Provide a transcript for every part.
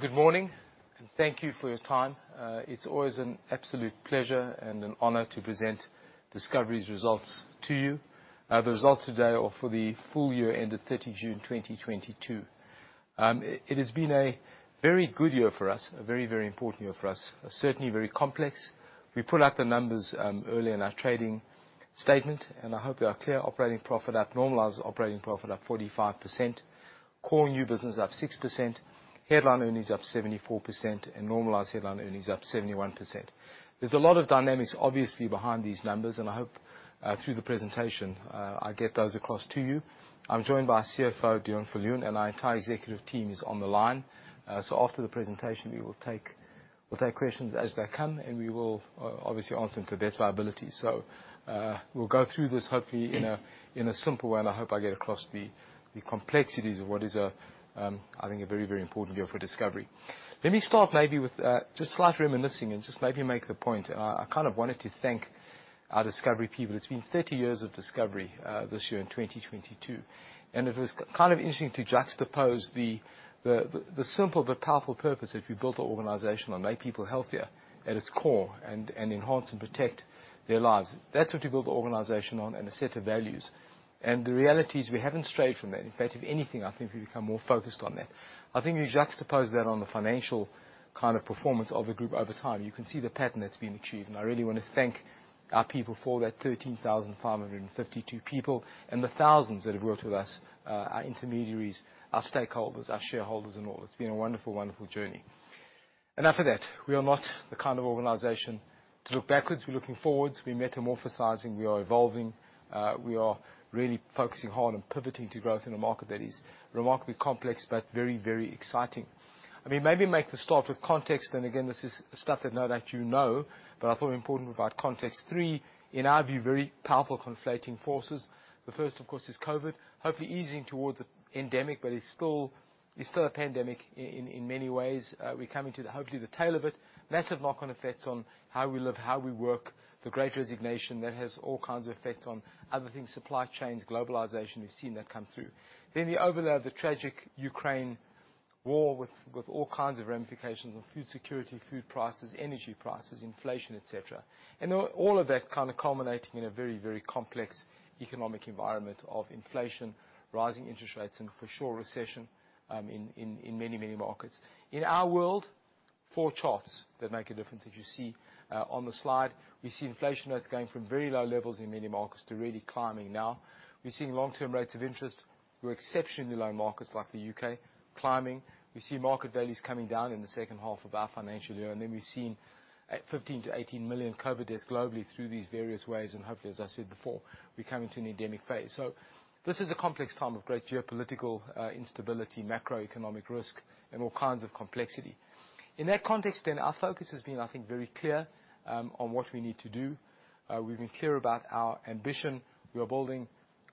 Good morning, and thank you for your time. It's always an absolute pleasure and an honor to present Discovery's results to you. The results today are for the full year ending 30th June 2022. It has been a very good year for us. A very, very important year for us. Certainly very complex. We put out the numbers early in our trading statement, and I hope they are clear. Operating profit up, normalized operating profit up 45%. Core new business up 6%. Headline earnings up 74%, and normalized headline earnings up 71%. There's a lot of dynamics obviously behind these numbers, and I hope through the presentation I get those across to you. I'm joined by CFO Deon Viljoen, and our entire executive team is on the line. After the presentation, we'll take questions as they come, and we will obviously answer them to the best of our ability. We'll go through this hopefully in a simple way, and I hope I get across the complexities of what is a, I think a very, very important year for Discovery. Let me start maybe with just slight reminiscing and just maybe make the point. I kind of wanted to thank our Discovery people. It's been 30 years of Discovery, this year in 2022, and it was kind of interesting to juxtapose the simple but powerful purpose that we built the organization on, make people healthier, at its core, and enhance and protect their lives. That's what we built the organization on, and a set of values. The reality is we haven't strayed from that. In fact, if anything, I think we've become more focused on that. I think we juxtapose that on the financial kind of performance of the group over time. You can see the pattern that's been achieved, and I really wanna thank our people for that. 13,552 people, and the thousands that have worked with us, our intermediaries, our stakeholders, our shareholders and all. It's been a wonderful journey. Enough of that. We are not the kind of organization to look backwards. We're looking forwards. We're metamorphosizing. We are evolving. We are really focusing hard on pivoting to growth in a market that is remarkably complex but very, very exciting. I mean, maybe make the start with context, then again, this is stuff that know that you know, but I thought it important to provide context. Three, in our view, very powerful conflating forces. The first, of course, is COVID. Hopefully easing towards endemic, but it's still a pandemic in many ways. We're coming to, hopefully the tail of it. Massive knock-on effects on how we live, how we work. The Great Resignation. That has all kinds of effects on other things, supply chains, globalization. We've seen that come through. Then you overlay the tragic Ukraine war with all kinds of ramifications on food security, food prices, energy prices, inflation, et cetera. All of that kind of culminating in a very complex economic environment of inflation, rising interest rates, and for sure, recession in many markets. In our world, four charts that make a difference as you see on the slide. We see inflation rates going from very low levels in many markets to really climbing now. We're seeing long-term rates of interest who are exceptionally low in markets like the U.K., climbing. We see market values coming down in the second half of our financial year, and then we've seen at 15-18 million COVID deaths globally through these various waves, and hopefully, as I said before, we come into an endemic phase. This is a complex time of great geopolitical instability, macroeconomic risk, and all kinds of complexity. In that context then, our focus has been, I think, very clear on what we need to do. We've been clear about our ambition. We are building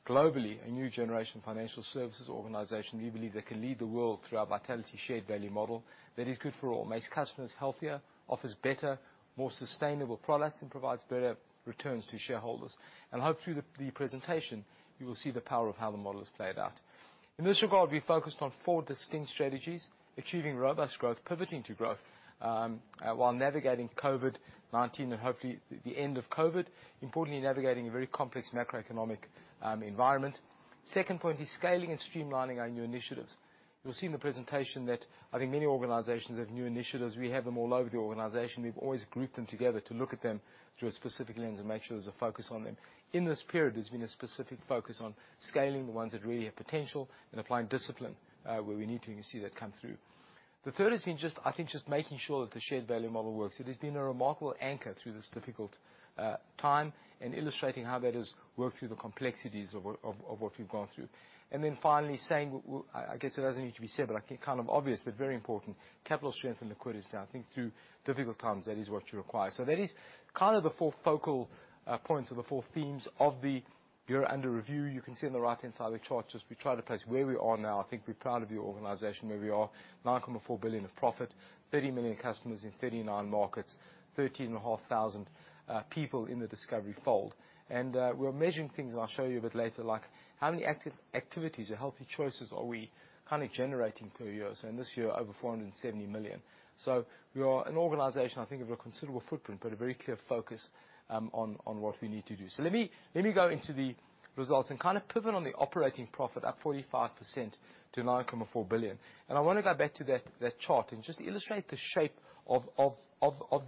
globally a new generation financial services organization we believe that can lead the world through our Vitality Shared-Value model that is good for all. Makes customers healthier, offers better, more sustainable products, and provides better returns to shareholders. I hope through the presentation you will see the power of how the model is played out. In this regard, we focused on four distinct strategies. Achieving robust growth, pivoting to growth, while navigating COVID-19 and hopefully the end of COVID. Importantly, navigating a very complex macroeconomic environment. Second point is scaling and streamlining our new initiatives. You'll see in the presentation that I think many organizations have new initiatives. We have them all over the organization. We've always grouped them together to look at them through a specific lens and make sure there's a focus on them. In this period, there's been a specific focus on scaling the ones that really have potential and applying discipline where we need to, and you see that come through. The third has been just, I think, just making sure that the Shared-Value model works. It has been a remarkable anchor through this difficult time and illustrating how that has worked through the complexities of what we've gone through. Then finally saying, I guess it doesn't need to be said, but I think kind of obvious but very important. Capital strength and liquidity, I think through difficult times, that is what you require. That is kind of the four focal points or the four themes of the year under review. You can see on the right-hand side of the chart, just we try to place where we are now. I think we're proud of the organization, where we are. 9.4 billion of profit, 30 million customers in 39 markets, 13,500 people in the Discovery fold. We're measuring things, and I'll show you a bit later, like how many activities or healthy choices are we kind of generating per year. In this year, over 470 million. We are an organization, I think, of a considerable footprint, but a very clear focus on what we need to do. Let me go into the results and kind of pivot on the operating profit, up 45% to 9.4 billion. I wanna go back to that chart and just illustrate the shape of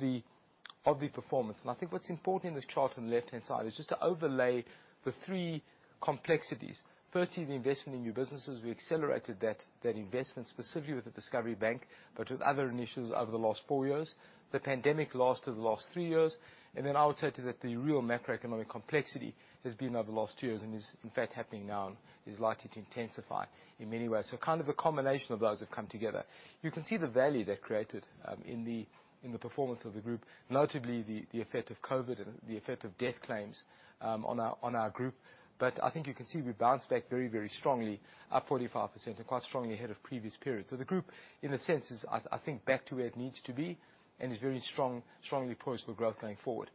the performance. I think what's important in this chart on the left-hand side is just to overlay the three complexities. Firstly, the investment in new businesses. We accelerated that investment specifically with the Discovery Bank, but with other initiatives over the last four years. The pandemic lasted the last three years. Then I would say to that the real macroeconomic complexity has been over the last two years and is in fact happening now and is likely to intensify in many ways. Kind of a combination of those have come together. You can see the value that created in the performance of the group. Notably the effect of COVID and the effect of death claims on our group. I think you can see we bounced back very, very strongly, up 45% and quite strongly ahead of previous periods. The group, in a sense, is, I think back to where it needs to be and is very strong, strongly poised for growth going forward.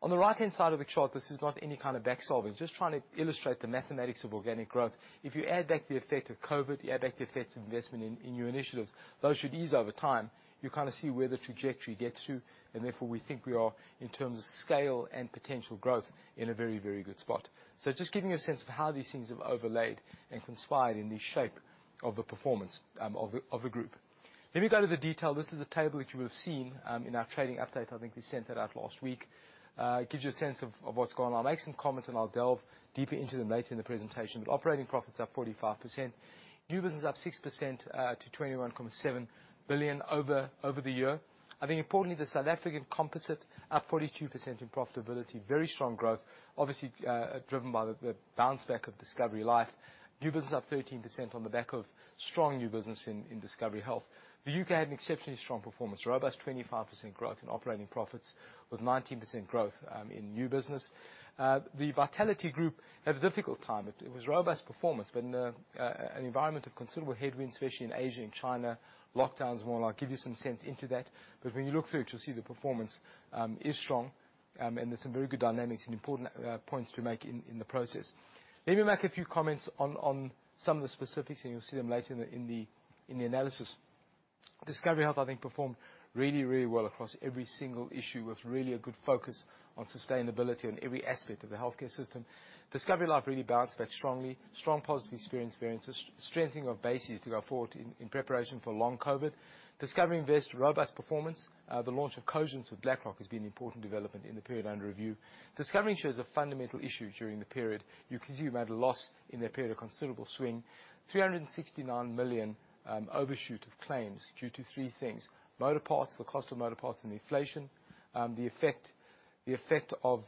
On the right-hand side of the chart, this is not any kind of back solving, just trying to illustrate the mathematics of organic growth. If you add back the effect of COVID, you add back the effects of investment in new initiatives, those should ease over time. You kind of see where the trajectory gets to, and therefore, we think we are, in terms of scale and potential growth, in a very, very good spot. Just giving a sense of how these things have overlaid and conspired in the shape of the performance of the group. Let me go to the detail. This is a table which you would have seen in our trading update. I think we sent that out last week. It gives you a sense of what's going on. I'll make some comments, and I'll delve deeper into them later in the presentation. Operating profits up 45%. New business up 6% to 21.7 billion over the year. I think importantly, the South African composite up 42% in profitability. Very strong growth, obviously, driven by the bounce back of Discovery Life. New business up 13% on the back of strong new business in Discovery Health. The U.K. had an exceptionally strong performance. Robust 25% growth in operating profits with 19% growth in new business. The Vitality group had a difficult time. It was robust performance, but in an environment of considerable headwinds, especially in Asia and China, lockdowns and whatnot. I'll give you some sense into that. When you look through, you'll see the performance is strong, and there's some very good dynamics and important points to make in the process. Let me make a few comments on some of the specifics, and you'll see them later in the analysis. Discovery Health, I think, performed really, really well across every single issue, with really a good focus on sustainability in every aspect of the healthcare system. Discovery Life really bounced back strongly. Strong positive experiences. Strengthening our bases to go forward in preparation for long COVID. Discovery Invest, robust performance. The launch of Cogence with BlackRock has been an important development in the period under review. Discovery Insure's a fundamental issue during the period. You can see we made a loss in that period, a considerable swing. 369 million overshoot of claims due to three things. Motor parts, the cost of motor parts and inflation. The effect of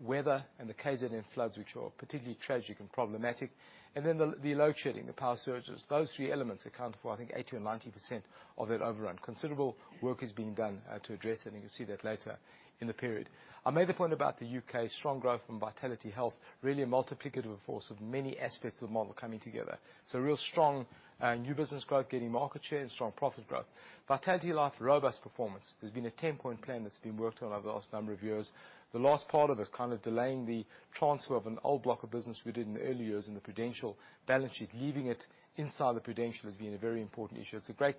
weather and the KZN floods, which were particularly tragic and problematic. The load shedding, the power surges. Those three elements account for, I think, 80% or 90% of that overrun. Considerable work is being done to address it, and you'll see that later in the period. I made the point about the U.K. Strong growth from VitalityHealth. Really a multiplicative force of many aspects of the model coming together. Real strong new business growth, gaining market share and strong profit growth. VitalityLife, robust performance. There's been a 10-point plan that's been worked on over the last number of years. The last part of it, kind of delaying the transfer of an old block of business we did in the early years in the Prudential balance sheet. Leaving it inside the Prudential has been a very important issue. It's a great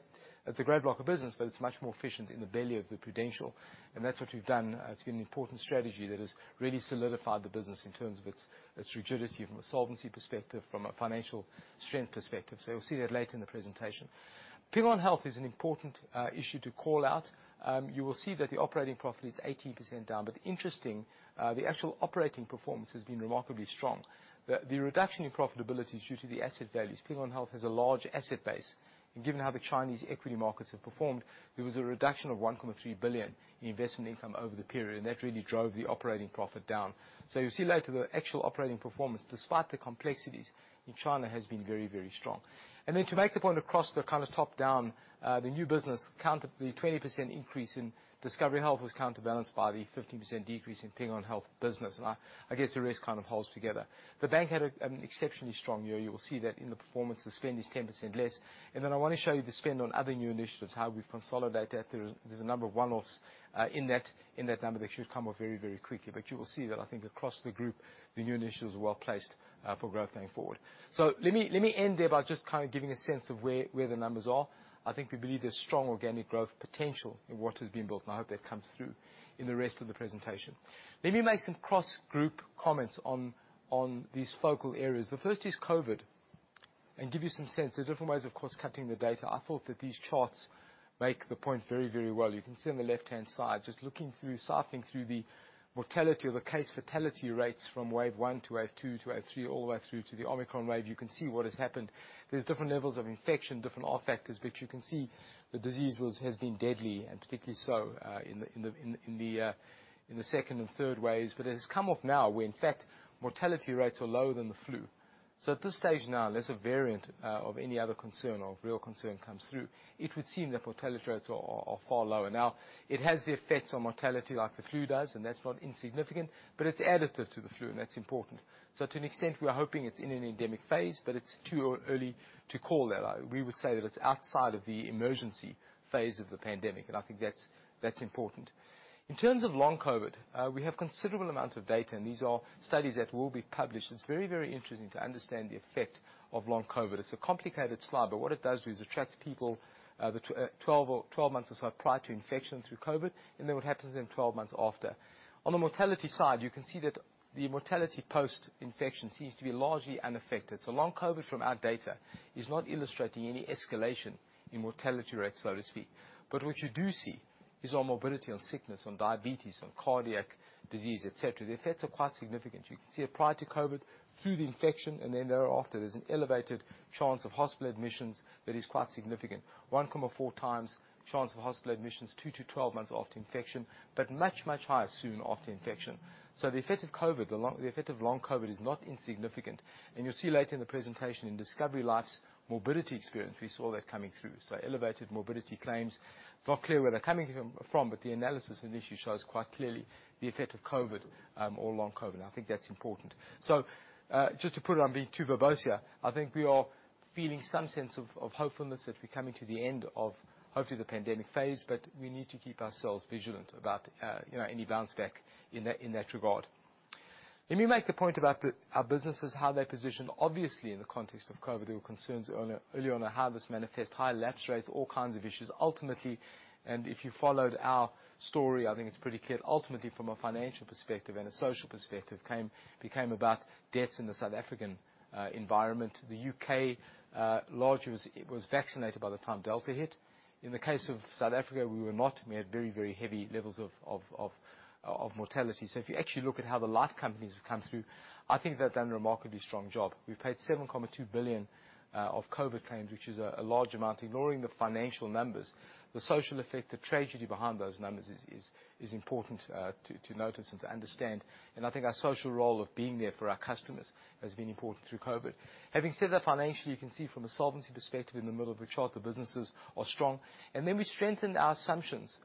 block of business, but it's much more efficient in the belly of the Prudential, and that's what we've done. It's been an important strategy that has really solidified the business in terms of its rigidity from a solvency perspective, from a financial strength perspective. You'll see that later in the presentation. Ping An Health is an important issue to call out. You will see that the operating profit is 18% down. Interesting, the actual operating performance has been remarkably strong. The reduction in profitability is due to the asset values. Ping An Health has a large asset base. Given how the Chinese equity markets have performed, there was a reduction of 1.3 billion in investment income over the period. That really drove the operating profit down. You'll see later the actual operating performance, despite the complexities in China, has been very, very strong. Then to make the point across the kind of top-down, the new business, the 20% increase in Discovery Health was counterbalanced by the 15% decrease in Ping An Health business. I guess the rest kind of holds together. The bank had an exceptionally strong year. You will see that in the performance. The spend is 10% less. Then I wanna show you the spend on other new initiatives, how we've consolidated that. There's a number of one-offs in that number that should come off very, very quickly. You will see that I think across the group, the new initiatives are well placed for growth going forward. Let me end there by just kind of giving a sense of where the numbers are. I think we believe there's strong organic growth potential in what has been built, and I hope that comes through in the rest of the presentation. Let me make some cross-group comments on these focal areas. The first is COVID, and give you some sense. There are different ways, of course, of cutting the data. I thought that these charts make the point very, very well. You can see on the left-hand side, just looking through, sifting through the mortality or the case fatality rates from wave one to wave two to wave three, all the way through to the Omicron wave. You can see what has happened. There's different levels of infection, different R factors, but you can see the disease was, has been deadly, and particularly so in the second and third waves. It has come off now where, in fact, mortality rates are lower than the flu. At this stage now, unless a variant of any other concern or real concern comes through, it would seem that mortality rates are far lower. Now, it has the effects on mortality like the flu does, and that's not insignificant, but it's additive to the flu, and that's important. To an extent, we are hoping it's in an endemic phase, but it's too early to call that. We would say that it's outside of the emergency phase of the pandemic, and I think that's important. In terms of long COVID, we have considerable amounts of data, and these are studies that will be published. It's very, very interesting to understand the effect of long COVID. It's a complicated slide, but what it does is it tracks people, the 12 months or so prior to infection through COVID and then what happens then 12 months after. On the mortality side, you can see that the mortality post-infection seems to be largely unaffected. Long COVID from our data is not illustrating any escalation in mortality rates, so to speak. What you do see is on morbidity, on sickness, on diabetes, on cardiac disease, et cetera, the effects are quite significant. You can see it prior to COVID, through the infection, and then thereafter. There's an elevated chance of hospital admissions that is quite significant. 1.4x chance of hospital admissions two to 12 months after infection, but much, much higher soon after infection. The effect of COVID, the effect of long COVID is not insignificant. You'll see later in the presentation in Discovery Life's morbidity experience, we saw that coming through. Elevated morbidity claims. It's not clear where they're coming from, but the analysis of the issue shows quite clearly the effect of COVID, or long COVID. I think that's important. Just to avoid being too verbose here, I think we are feeling some sense of hopefulness that we're coming to the end of hopefully the pandemic phase, but we need to keep ourselves vigilant about, you know, any bounce back in that regard. Let me make the point about our businesses, how they're positioned, obviously in the context of COVID. There were concerns earlier on how this manifest, high lapse rates, all kinds of issues. Ultimately, if you followed our story, I think it's pretty clear, ultimately from a financial perspective and a social perspective, became about deaths in the South African environment. The U.K. largely was vaccinated by the time Delta hit. In the case of South Africa, we were not. We had very heavy levels of mortality. If you actually look at how the life companies have come through, I think they've done a remarkably strong job. We've paid 7.2 billion of COVID claims, which is a large amount. Ignoring the financial numbers, the social effect, the tragedy behind those numbers is important to notice and to understand. I think our social role of being there for our customers has been important through COVID. Having said that, financially, you can see from a solvency perspective in the middle of the chart, the businesses are strong. We strengthened our assumptions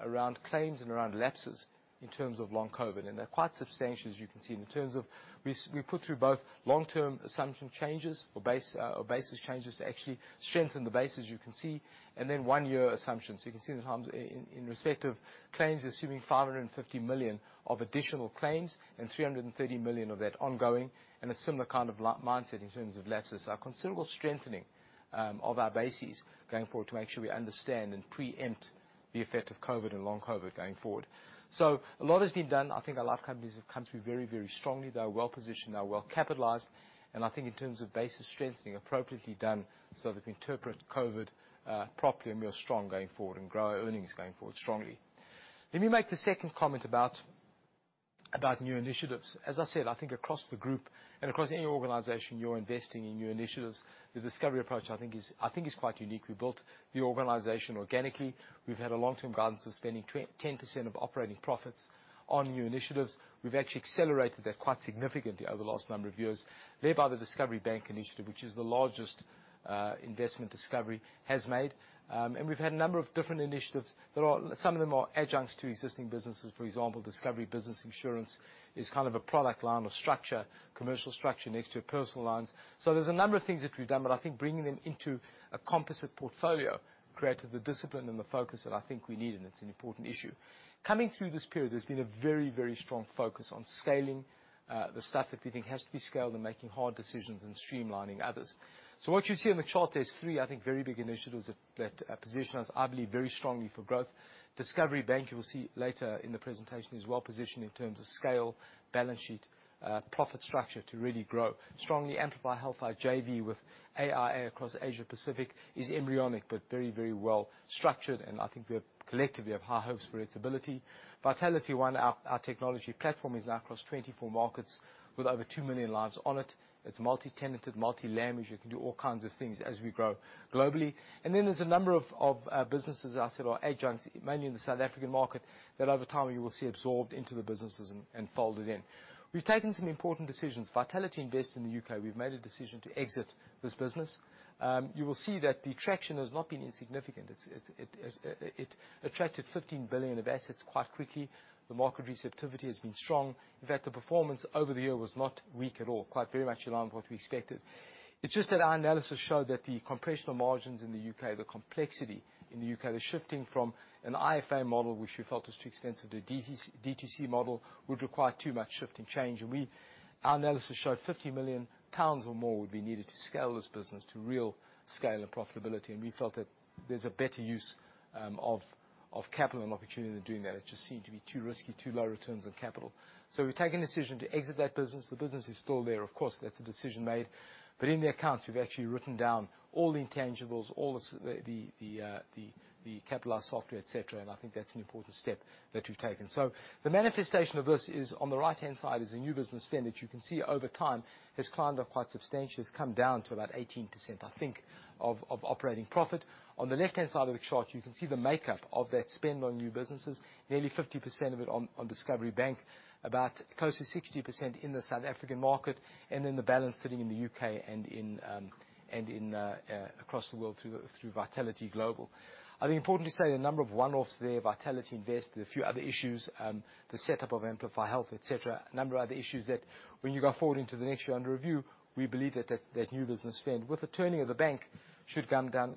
around claims and around lapses in terms of long COVID. They're quite substantial, as you can see. In terms of we put through both long-term assumption changes or basis changes to actually strengthen the base, as you can see, and then one-year assumptions. You can see the impact in respect of claims, assuming 550 million of additional claims and 330 million of that ongoing. A similar kind of like mindset in terms of lapses. A considerable strengthening of our bases going forward to make sure we understand and preempt the effect of COVID and long COVID going forward. A lot has been done. I think our life companies have come through very, very strongly. They are well-positioned, they are well-capitalized. I think in terms of basis strengthening, appropriately done, so that we can interpret COVID properly and we are strong going forward and grow our earnings going forward strongly. Let me make the second comment about new initiatives. As I said, I think across the group and across any organization, you're investing in new initiatives. The Discovery approach, I think is quite unique. We built the organization organically. We've had a long-term guidance of spending 10% of operating profits on new initiatives. We've actually accelerated that quite significantly over the last number of years, led by the Discovery Bank initiative, which is the largest investment Discovery has made. We've had a number of different initiatives. There are some of them are adjunct to existing businesses. For example, Discovery Business Insurance is kind of a product line or structure, commercial structure next to personal lines. There's a number of things that we've done, but I think bringing them into a composite portfolio created the discipline and the focus that I think we need, and it's an important issue. Coming through this period, there's been a very, very strong focus on scaling the stuff that we think has to be scaled and making hard decisions and streamlining others. What you see on the chart, there's three, I think, very big initiatives that position us, I believe, very strongly for growth. Discovery Bank, you will see later in the presentation, is well positioned in terms of scale, balance sheet, profit structure to really grow strongly. Amplify Health, our JV with AIA across Asia Pacific, is embryonic, but very, very well structured, and I think we collectively have high hopes for its ability. Vitality One, our technology platform is now across 24 markets with over 2 million lives on it. It's multi-tenanted, multi-language. You can do all kinds of things as we grow globally. There's a number of businesses that I said are adjunct, mainly in the South African market, that over time you will see absorbed into the businesses and folded in. We've taken some important decisions. VitalityInvest in the U.K., we've made a decision to exit this business. You will see that the traction has not been insignificant. It attracted 15 billion of assets quite quickly. The market receptivity has been strong. In fact, the performance over the year was not weak at all, quite very much along what we expected. It's just that our analysis showed that the margin compression in the U.K., the complexity in the U.K., the shifting from an IFA model, which we felt was too expensive, the DTC model would require too much shift and change. Our analysis showed 50 million pounds or more would be needed to scale this business to real scale and profitability, and we felt that there's a better use of capital and opportunity than doing that. It just seemed to be too risky, too low returns on capital. We've taken a decision to exit that business. The business is still there. Of course, that's a decision made. In the accounts, we've actually written down all the intangibles, all the capitalized software, et cetera, and I think that's an important step that we've taken. The manifestation of this is on the right-hand side a new business spend that you can see over time has climbed up quite substantially. It's come down to about 18%, I think, of operating profit. On the left-hand side of the chart, you can see the makeup of that spend on new businesses. Nearly 50% of it on Discovery Bank, about close to 60% in the South African market, and then the balance sitting in the U.K. and across the world through Vitality Global. I think importantly to say, the number of one-offs there, VitalityInvest and a few other issues, the setup of Amplify Health, et cetera. A number of other issues that when you go forward into the next year under review, we believe that new business spend, with the turning of the bank, should come down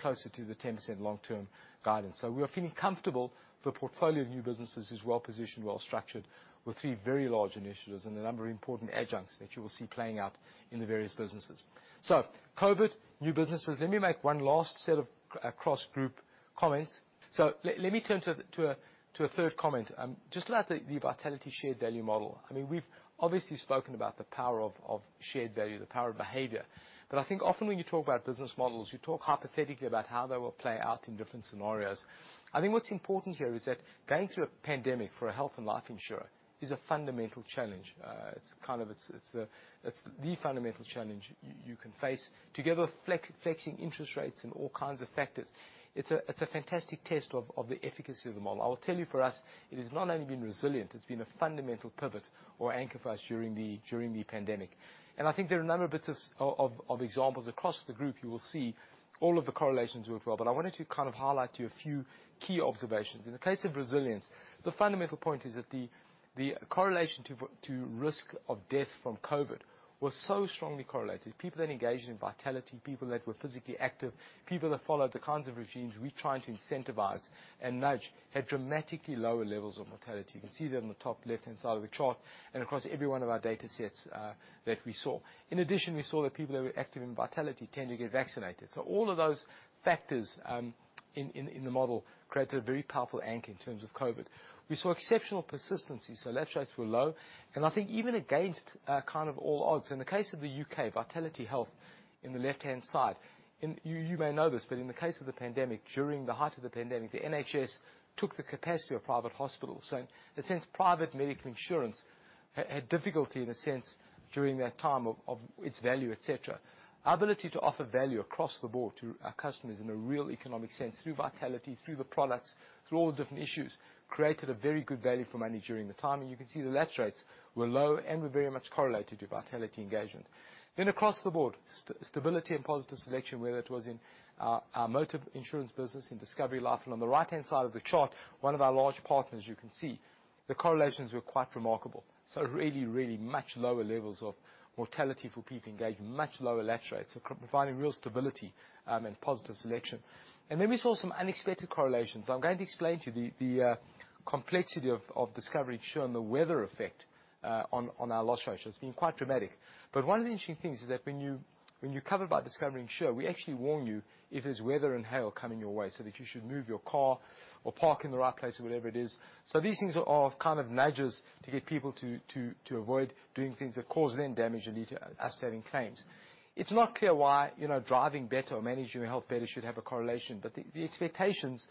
closer to the 10% long-term guidance. We are feeling comfortable that the portfolio of new businesses is well-positioned, well-structured, with three very large initiatives and a number of important adjuncts that you will see playing out in the various businesses. COVID, new businesses. Let me make one last set of cross-group comments. Let me turn to a third comment just about the Vitality Shared-Value model. I mean, we've obviously spoken about the power of shared value, the power of behavior. I think often when you talk about business models, you talk hypothetically about how they will play out in different scenarios. I think what's important here is that going through a pandemic for a health and life insurer is a fundamental challenge. It's kind of the fundamental challenge you can face. Together, flexing interest rates and all kinds of factors, it's a fantastic test of the efficacy of the model. I will tell you, for us, it has not only been resilient, it's been a fundamental pivot or anchor for us during the pandemic. I think there are a number of bits of examples across the group you will see all of the correlations work well. I wanted to kind of highlight you a few key observations. In the case of resilience, the fundamental point is that the correlation to risk of death from COVID was so strongly correlated. People that engaged in Vitality, people that were physically active, people that followed the kinds of regimes we try to incentivize and nudge had dramatically lower levels of mortality. You can see there on the top left-hand side of the chart and across every one of our data sets that we saw. In addition, we saw that people that were active in Vitality tend to get vaccinated. All of those factors in the model created a very powerful anchor in terms of COVID. We saw exceptional persistency, so lapse rates were low. I think even against kind of all odds, in the case of the U.K., VitalityHealth in the left-hand side, in. You may know this, but in the case of the pandemic, during the height of the pandemic, the NHS took the capacity of private hospitals. In a sense, private medical insurance had difficulty in a sense during that time of its value, et cetera. Ability to offer value across the board to our customers in a real economic sense through Vitality, through the products, through all the different issues, created a very good value for money during the time. You can see the lapse rates were low and were very much correlated to Vitality engagement. Across the board, stability and positive selection, whether it was in our motor insurance business, in Discovery Life. On the right-hand side of the chart, one of our large partners, you can see the correlations were quite remarkable. Really much lower levels of mortality for people engaged, much lower lapse rates, providing real stability, and positive selection. We saw some unexpected correlations. I'm going to explain to you the complexity of Discovery Insure and the weather effect on our loss ratio. It's been quite dramatic. One of the interesting things is that when you're covered by Discovery Insure, we actually warn you if there's weather and hail coming your way, so that you should move your car or park in the right place or whatever it is. These things are kind of nudges to get people to avoid doing things that cause them damage and lead to us having claims. It's not clear why, you know, driving better or managing your health better should have a correlation. The expectations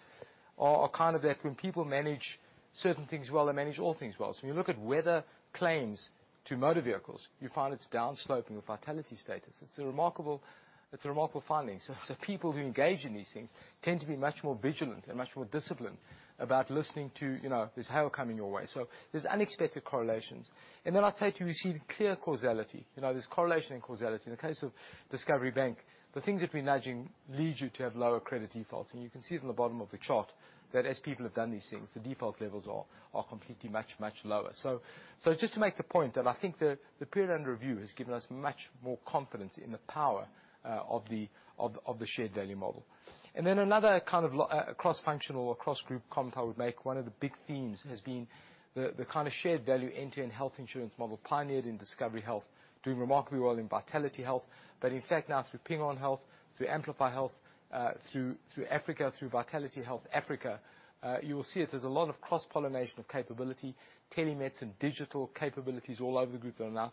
are kind of that when people manage certain things well, they manage all things well. When you look at weather claims to motor vehicles, you find it's down-sloping with Vitality status. It's a remarkable finding. People who engage in these things tend to be much more vigilant and much more disciplined about listening to, you know, there's hail coming your way. There's unexpected correlations. I'd say too, we see clear causality. You know, there's correlation and causality. In the case of Discovery Bank, the things that we're nudging lead you to have lower credit defaults. You can see from the bottom of the chart that as people have done these things, the default levels are completely much lower. Just to make the point that I think the period under review has given us much more confidence in the power of the Shared-Value model. Then another kind of cross functional or cross group comment I would make, one of the big themes has been the kind of shared value end-to-end health insurance model pioneered in Discovery Health, doing remarkably well in VitalityHealth. In fact now through Ping An Health, through Amplify Health, through Africa, through VitalityHealth Africa, you will see it. There's a lot of cross-pollination of capability, telemeds and digital capabilities all over the group that are now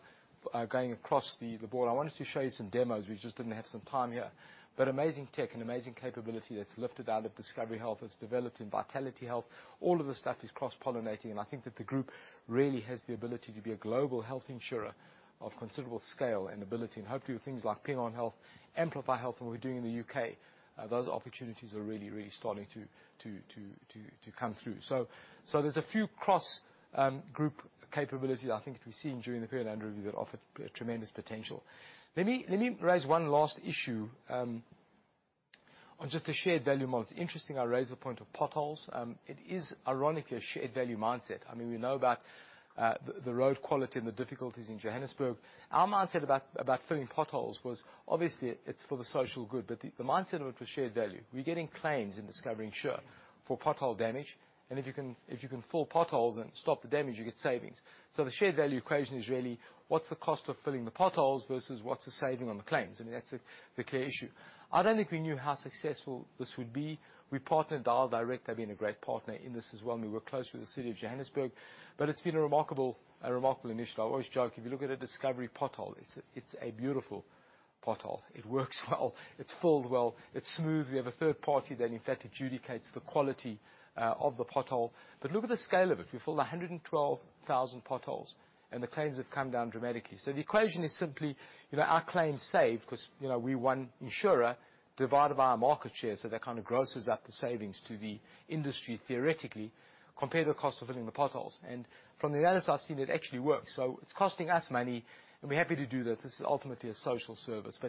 going across the board. I wanted to show you some demos. We just didn't have some time here. Amazing tech and amazing capability that's lifted out of Discovery Health, that's developed in VitalityHealth. All of the stuff is cross-pollinating and I think that the group really has the ability to be a global health insurer of considerable scale and ability. Hopefully with things like Ping An Health, Amplify Health, what we're doing in the U.K., those opportunities are really starting to come through. There's a few cross-group capabilities I think that we've seen during the period under review that offered tremendous potential. Let me raise one last issue on just the Shared-Value model. It's interesting I raise the point of potholes. It is ironically a shared value mindset. I mean, we know about the road quality and the difficulties in Johannesburg. Our mindset about filling potholes was obviously it's for the social good, but the mindset of it was shared value. We're getting claims in Discovery Insure for pothole damage, and if you can fill potholes and stop the damage, you get savings. The shared value equation is really what's the cost of filling the potholes versus what's the saving on the claims? I mean, that's the clear issue. I don't think we knew how successful this would be. We partnered Dialdirect. They've been a great partner in this as well. We work closely with the City of Johannesburg, but it's been a remarkable initiative. I always joke, if you look at a Discovery pothole, it's a beautiful pothole. It works well, it's filled well, it's smooth. We have a third party that in fact adjudicates the quality of the pothole. Look at the scale of it. We filled 112,000 potholes, and the claims have come down dramatically. The equation is simply, you know, our claims saved cuz, you know, we're one insurer, divided by our market share. That kind of grosses up the savings to the industry theoretically, compare the cost of filling the potholes. From the analysis I've seen, it actually works. It's costing us money, and we're happy to do that. This is ultimately a social service.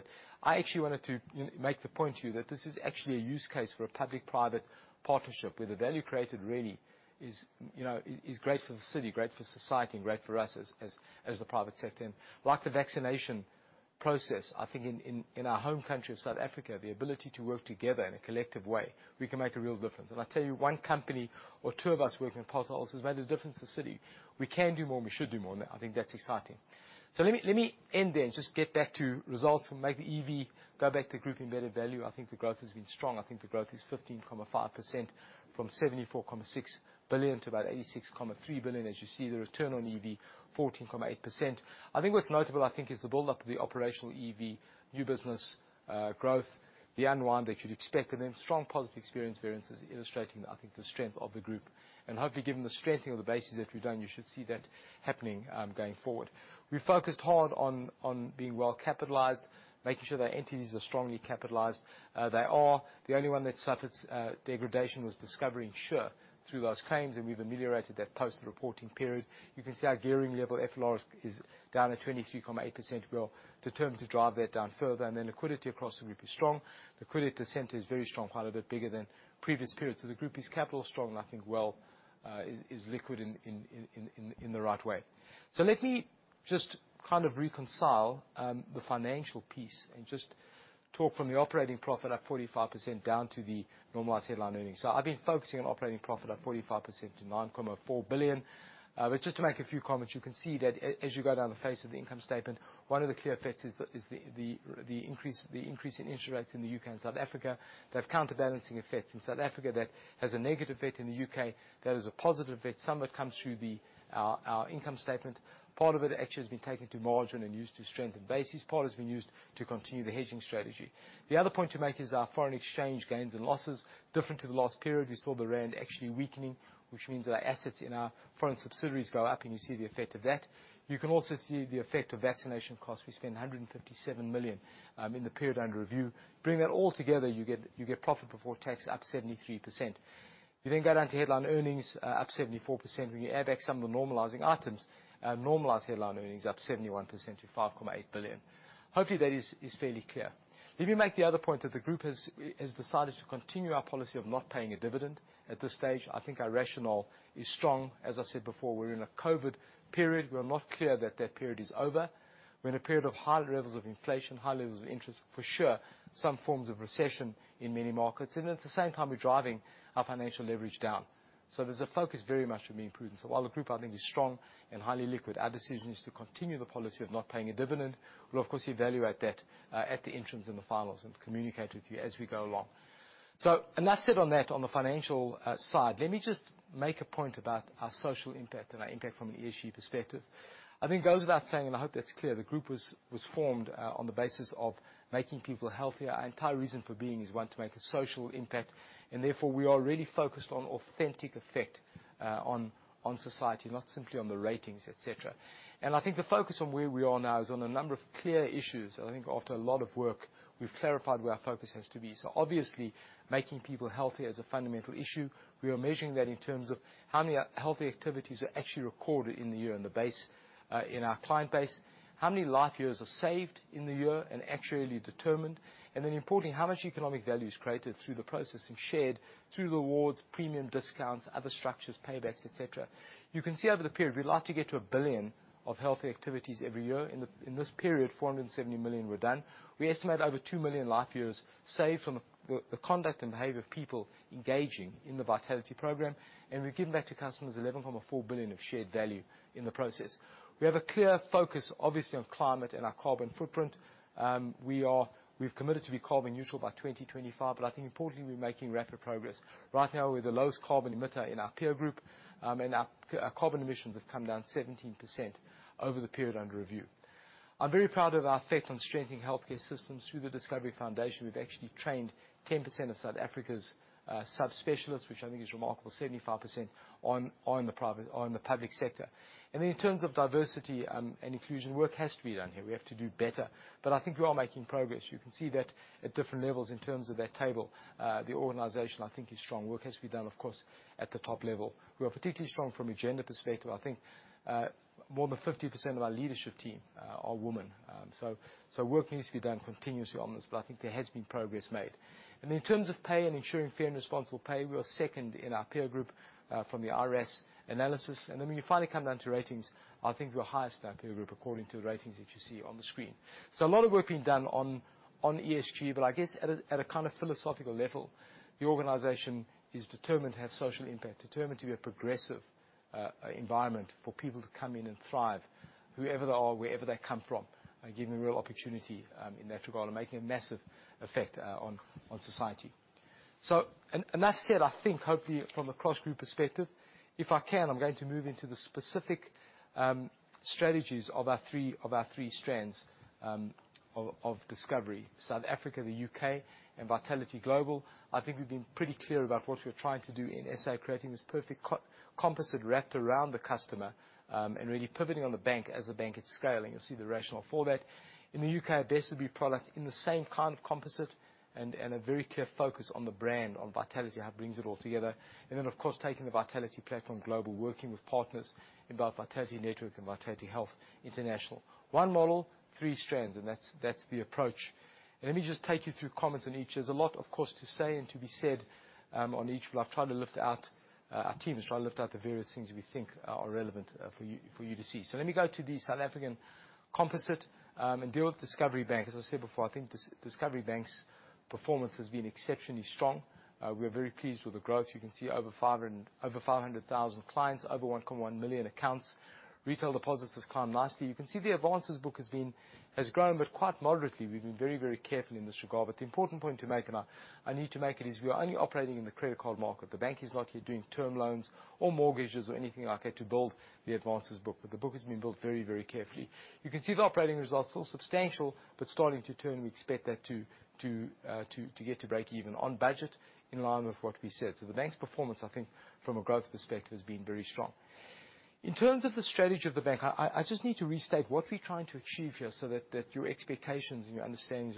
I actually wanted to, you know, make the point to you that this is actually a use case for a public-private partnership where the value created really is, you know, is great for the city, great for society, and great for us as the private sector. Like the vaccination process, I think in our home country of South Africa, the ability to work together in a collective way, we can make a real difference. I tell you, one company or two of us working on potholes has made a difference to the city. We can do more and we should do more on that. I think that's exciting. Let me end there and just get back to results and make the EV go back to group embedded value. I think the growth has been strong. I think the growth is 15.5% from 74.6 billion to about 86.3 billion. As you see, the return on EV, 14.8%. I think what's notable, I think, is the build up of the operational EV, new business growth, the unwind that you'd expect, and then strong positive experience variances illustrating, I think, the strength of the group. Hopefully given the strengthening of the basis that we've done, you should see that happening going forward. We focused hard on being well capitalized, making sure that our entities are strongly capitalized. They are. The only one that suffered degradation was Discovery Insure through those claims, and we've ameliorated that post the reporting period. You can see our gearing level, FLR, is down at 23.8%. We are determined to drive that down further. Then liquidity across the group is strong. Liquidity center is very strong, quite a bit bigger than previous periods. The group is capital strong and I think well is liquid in the right way. Let me just kind of reconcile the financial piece and just talk from the operating profit at 45% down to the normalized headline earnings. I've been focusing on operating profit at 45% to 9.4 billion. But just to make a few comments, you can see that as you go down the face of the income statement, one of the clear effects is the increase in interest rates in the U.K. and South Africa. They have counterbalancing effects in South Africa that has a negative effect in the U.K. That is a positive that somewhat comes through the our income statement. Part of it actually has been taken to margin and used to strengthen bases. Part has been used to continue the hedging strategy. The other point to make is our foreign exchange gains and losses. Different to the last period, we saw the rand actually weakening, which means that our assets in our foreign subsidiaries go up, and you see the effect of that. You can also see the effect of vaccination costs. We spent 157 million in the period under review. Bring that all together, you get profit before tax up 73%. You then go down to headline earnings up 74%. When you add back some of the normalizing items, normalized headline earnings up 71% to 5.8 billion. Hopefully that is fairly clear. Let me make the other point that the group has decided to continue our policy of not paying a dividend. At this stage, I think our rationale is strong. As I said before, we're in a COVID period. We are not clear that period is over. We're in a period of high levels of inflation, high levels of interest, for sure, some forms of recession in many markets. At the same time, we're driving our financial leverage down. There's a focus very much on being prudent. While the group, I think, is strong and highly liquid, our decision is to continue the policy of not paying a dividend. Well, of course, evaluate that at the interims and the finals and communicate with you as we go along. Enough said on that, on the financial side. Let me just make a point about our social impact and our impact from an ESG perspective. I think it goes without saying, and I hope that's clear, the group was formed on the basis of making people healthier. Our entire reason for being is we want to make a social impact, and therefore, we are really focused on authentic effect on society, not simply on the ratings, et cetera. I think the focus on where we are now is on a number of clear issues. I think after a lot of work, we've clarified where our focus has to be. Obviously, making people healthier is a fundamental issue. We are measuring that in terms of how many healthy activities are actually recorded in the year on the base in our client base. How many life years are saved in the year and actuarially determined? Then importantly, how much economic value is created through the process and shared through rewards, premium discounts, other structures, paybacks, et cetera. You can see over the period, we'd like to get to 1 billion healthy activities every year. In this period, 470 million were done. We estimate over 2 million life years saved from the conduct and behavior of people engaging in the Vitality program. We've given back to customers 11.4 billion of shared value in the process. We have a clear focus, obviously, on climate and our carbon footprint. We've committed to be carbon neutral by 2025, but I think importantly, we're making rapid progress. Right now we're the lowest carbon emitter in our peer group. Our carbon emissions have come down 17% over the period under review. I'm very proud of our effect on strengthening healthcare systems. Through the Discovery Foundation, we've actually trained 10% of South Africa's subspecialists, which I think is remarkable. 75% are in the public sector. In terms of diversity and inclusion, work has to be done here. We have to do better. I think we are making progress. You can see that at different levels in terms of that table. The organization, I think, is strong. Work has to be done, of course, at the top level. We are particularly strong from a gender perspective. I think more than 50% of our leadership team are women. Work needs to be done continuously on this, but I think there has been progress made. In terms of pay and ensuring fair and responsible pay, we are second in our peer group from the RS analysis. When you finally come down to ratings, I think we're highest in our peer group according to the ratings that you see on the screen. A lot of work being done on ESG. I guess at a kind of philosophical level, the organization is determined to have social impact, determined to be a progressive environment for people to come in and thrive, whoever they are, wherever they come from, and give them real opportunity in that regard and making a massive effect on society. Enough said, I think, hopefully from a cross-group perspective. If I can, I'm going to move into the specific strategies of our three strands of Discovery. South Africa, the U.K., and Vitality Global. I think we've been pretty clear about what we're trying to do in SA, creating this perfect composite wrapped around the customer, and really pivoting on the bank as the bank is scaling. You'll see the rationale for that. In the U.K., our best would-be product in the same kind of composite and a very clear focus on the brand, on Vitality, how it brings it all together. Of course, taking the Vitality platform global, working with partners in both Vitality Network and VitalityHealth International. One model, three strands, and that's the approach. Let me just take you through comments on each. There's a lot, of course, to say and to be said on each, but I've tried to lift out, our team has tried to lift out the various things we think are relevant for you to see. Let me go to the South African composite and deal with Discovery Bank. As I said before, I think Discovery Bank's performance has been exceptionally strong. We are very pleased with the growth. You can see over 500,000 clients, over 1.1 million accounts. Retail deposits has climbed nicely. You can see the advances book has grown, but quite moderately. We've been very, very careful in this regard. The important point to make, and I need to make it, is we are only operating in the credit card market. The bank is not yet doing term loans or mortgages or anything like that to build the advances book. The book has been built very, very carefully. You can see the operating results, still substantial, but starting to turn. We expect that to get to break even on budget in line with what we said. The bank's performance, I think, from a growth perspective, has been very strong. In terms of the strategy of the bank, I just need to restate what we're trying to achieve here so that your expectations and your understandings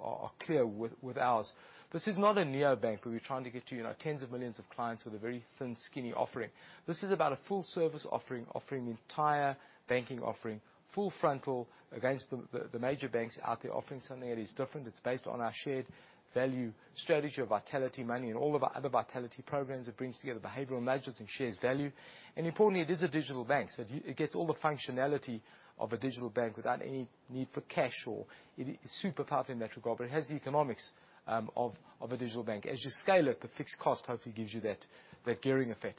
are clear with ours. This is not a neobank where we're trying to get to, you know, tens of millions of clients with a very thin, skinny offering. This is about a full-service offering the entire banking offering full frontal against the major banks out there offering something that is different. It's based on our Shared-Value strategy of Vitality Money and all of our other Vitality programs. It brings together behavioral measures and Shared-Value. Importantly, it is a digital bank. It gets all the functionality of a digital bank without any need for cash or. It is super powerful in that regard, but it has the economics of a digital bank. As you scale it, the fixed cost hopefully gives you that gearing effect.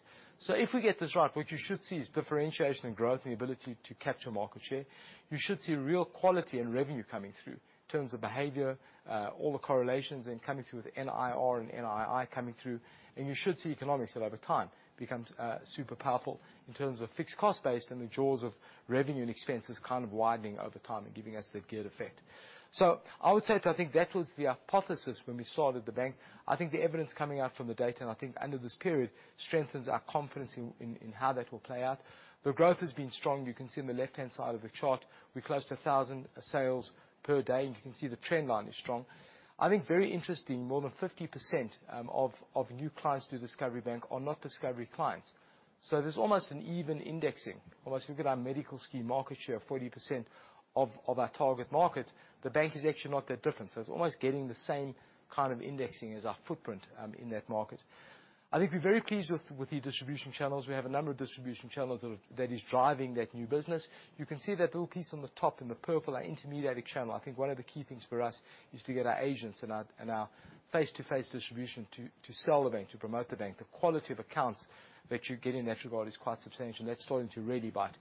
If we get this right, what you should see is differentiation and growth and the ability to capture market share. You should see real quality and revenue coming through in terms of behavior, all the correlations and coming through with NIR and NII coming through. You should see economics that over time becomes super powerful in terms of fixed cost base and the jaws of revenue and expenses kind of widening over time and giving us that geared effect. I would say I think that was the hypothesis when we started the bank. I think the evidence coming out from the data, and I think under this period, strengthens our confidence in how that will play out. The growth has been strong. You can see on the left-hand side of the chart, we're close to 1,000 sales per day. You can see the trend line is strong. I think very interesting, more than 50% of new clients to Discovery Bank are not Discovery clients. So there's almost an even indexing. Almost look at our medical scheme market share of 40% of our target market, the bank is actually not that different. So it's almost getting the same kind of indexing as our footprint in that market. I think we're very pleased with the distribution channels. We have a number of distribution channels that is driving that new business. You can see that little piece on the top in the purple, our intermediary channel. I think one of the key things for us is to get our agents and our face-to-face distribution to sell the bank, to promote the bank. The quality of accounts that you get in that regard is quite substantial. That's starting to really bite.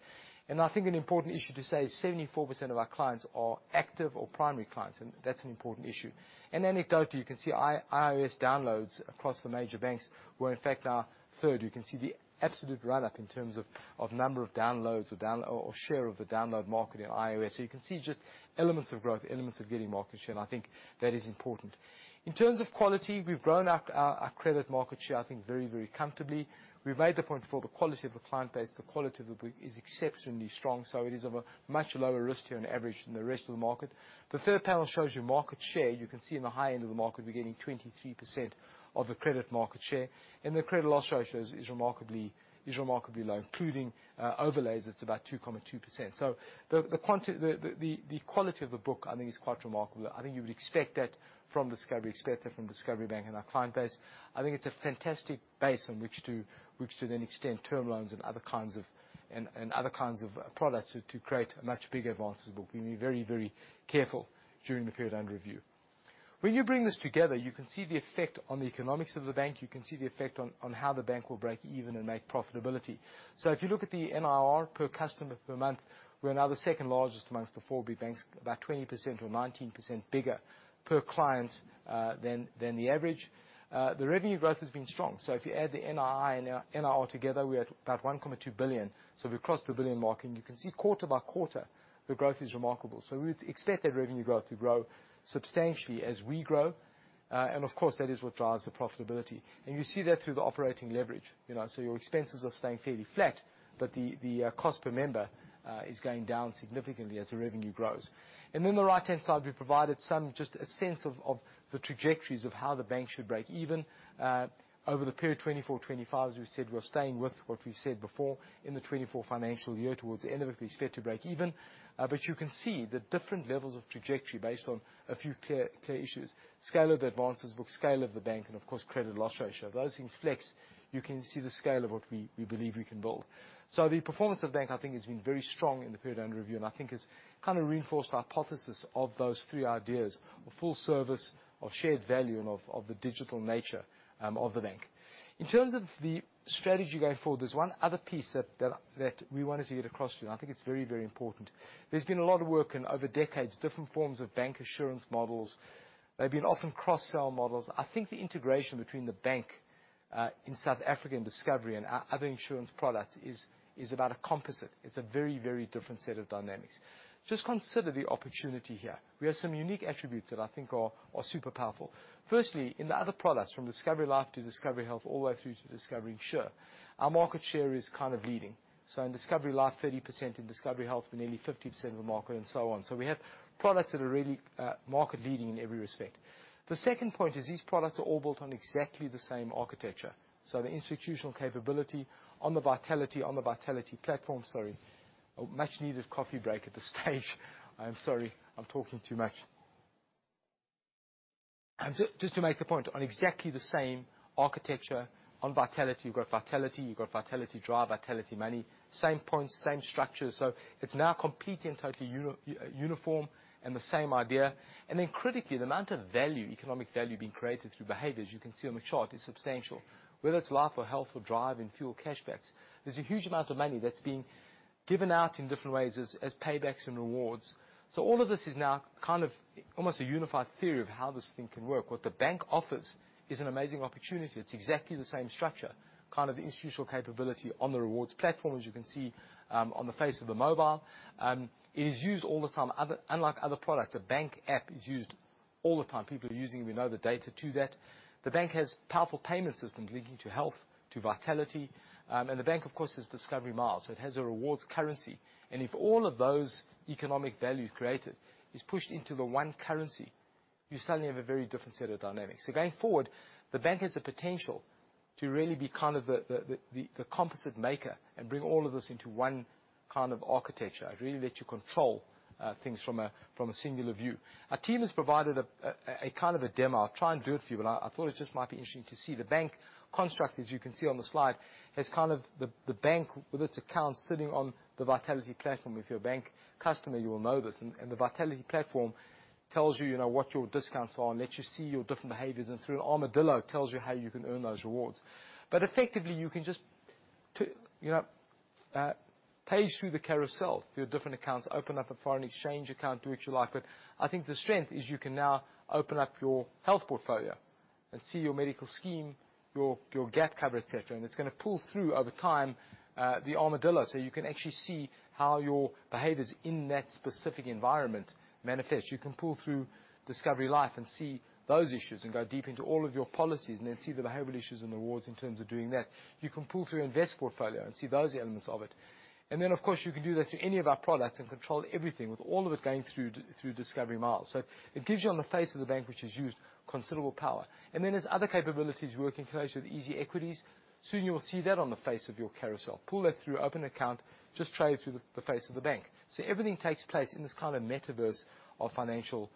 I think an important issue to say is 74% of our clients are active or primary clients, and that's an important issue. Anecdotally, you can see iOS downloads across the major banks were, in fact, our third. You can see the absolute run-up in terms of number of downloads or share of the download market in iOS. You can see just elements of growth, elements of getting market share, and I think that is important. In terms of quality, we've grown our credit market share, I think very comfortably. We've made the point before, the quality of the client base, the quality of the book is exceptionally strong, so it is of a much lower risk here on average than the rest of the market. The third panel shows you market share. You can see in the high end of the market, we're getting 23% of the credit market share. The credit loss ratio is remarkably low, including overlays. It's about 2.2%. So the quality of the book, I think, is quite remarkable. I think you would expect that from Discovery Bank and our client base. I think it's a fantastic base on which to then extend term loans and other kinds of products to create a much bigger advances book. We're being very careful during the period under review. When you bring this together, you can see the effect on the economics of the bank. You can see the effect on how the bank will break even and make profitability. If you look at the NIR per customer per month, we're now the second largest amongst the four big banks, about 20% or 19% bigger per client than the average. The revenue growth has been strong. If you add the NII and our NIR together, we're at about 1.2 billion. We've crossed the 1 billion mark, and you can see quarter by quarter the growth is remarkable. We would expect that revenue growth to grow substantially as we grow, and of course that is what drives the profitability. You see that through the operating leverage. Your expenses are staying fairly flat, but the cost per member is going down significantly as the revenue grows. In the right-hand side, we've provided some, just a sense of the trajectories of how the bank should break even. Over the period 2024, 2025, as we've said, we're staying with what we've said before. In the 2024 financial year, towards the end of it, we expect to break even. You can see the different levels of trajectory based on a few clear issues. Scale of the advances book, scale of the bank, and of course, credit loss ratio. Those things flex. You can see the scale of what we believe we can build. The performance of the bank, I think, has been very strong in the period under review, and I think has kind of reinforced the hypothesis of those three ideas. Of full service, of shared value, and of the digital nature of the bank. In terms of the strategy going forward, there's one other piece that we wanted to get across to you. I think it's very, very important. There's been a lot of work in, over decades, different forms of bank insurance models. They've been often cross-sell models. I think the integration between the bank in South Africa and Discovery and our other insurance products is about a composite. It's a very, very different set of dynamics. Just consider the opportunity here. We have some unique attributes that I think are super powerful. Firstly, in the other products, from Discovery Life to Discovery Health, all the way through to Discovery Insure, our market share is kind of leading. In Discovery Life, 30%, in Discovery Health, we're nearly 50% of the market, and so on. We have products that are really, market leading in every respect. The second point is these products are all built on exactly the same architecture. The institutional capability on the Vitality, on the Vitality platform. Sorry. A much needed coffee break at this stage. I am sorry. I'm talking too much. Just to make the point on exactly the same architecture. On Vitality, you've got Vitality, you've got Vitality Drive, Vitality Money. Same points, same structure. It's now completely and totally uniform and the same idea. Then critically, the amount of value, economic value being created through behaviors, you can see on the chart, is substantial. Whether it's Discovery Life or Discovery Health or Vitality Drive and fuel cashbacks, there's a huge amount of money that's being given out in different ways as paybacks and rewards. All of this is now kind of almost a unified theory of how this thing can work. What the bank offers is an amazing opportunity. It's exactly the same structure, kind of the institutional capability on the rewards platform, as you can see on the face of the mobile. It is used all the time. Unlike other products, a bank app is used all the time. People are using. We know the data attests to that. The bank has powerful payment systems linking to Discovery Health, to Vitality. The bank, of course, has Discovery Miles, so it has a rewards currency. If all of those economic value created is pushed into the one currency, you suddenly have a very different set of dynamics. Going forward, the bank has the potential to really be kind of the composite maker and bring all of this into one kind of architecture. It really lets you control things from a singular view. Our team has provided a kind of demo. I'll try and do it for you, but I thought it just might be interesting to see. The bank construct, as you can see on the slide, has kind of the bank with its accounts sitting on the Vitality platform. If you're a bank customer, you will know this. The Vitality platform tells you know, what your discounts are and lets you see your different behaviors. Through Armadillo, tells you how you can earn those rewards. Effectively, you can just you know, page through the carousel through your different accounts, open up a foreign exchange account, do what you like. I think the strength is you can now open up your health portfolio and see your medical scheme, your Gap Cover, et cetera. It's gonna pull through over time, the Armadillo. So you can actually see how your behavior's in that specific environment manifest. You can pull through Discovery Life and see those issues and go deep into all of your policies and then see the behavioral issues and rewards in terms of doing that. You can pull through Invest portfolio and see those elements of it. Of course, you can do that to any of our products and control everything with all of it going through Discovery Miles. It gives you on the face of the bank, which is huge, considerable power. There's other capabilities working closely with EasyEquities. Soon you will see that on the face of your carousel. Pull that through open account, just trade through the face of the bank. Everything takes place in this kind of metaverse of financial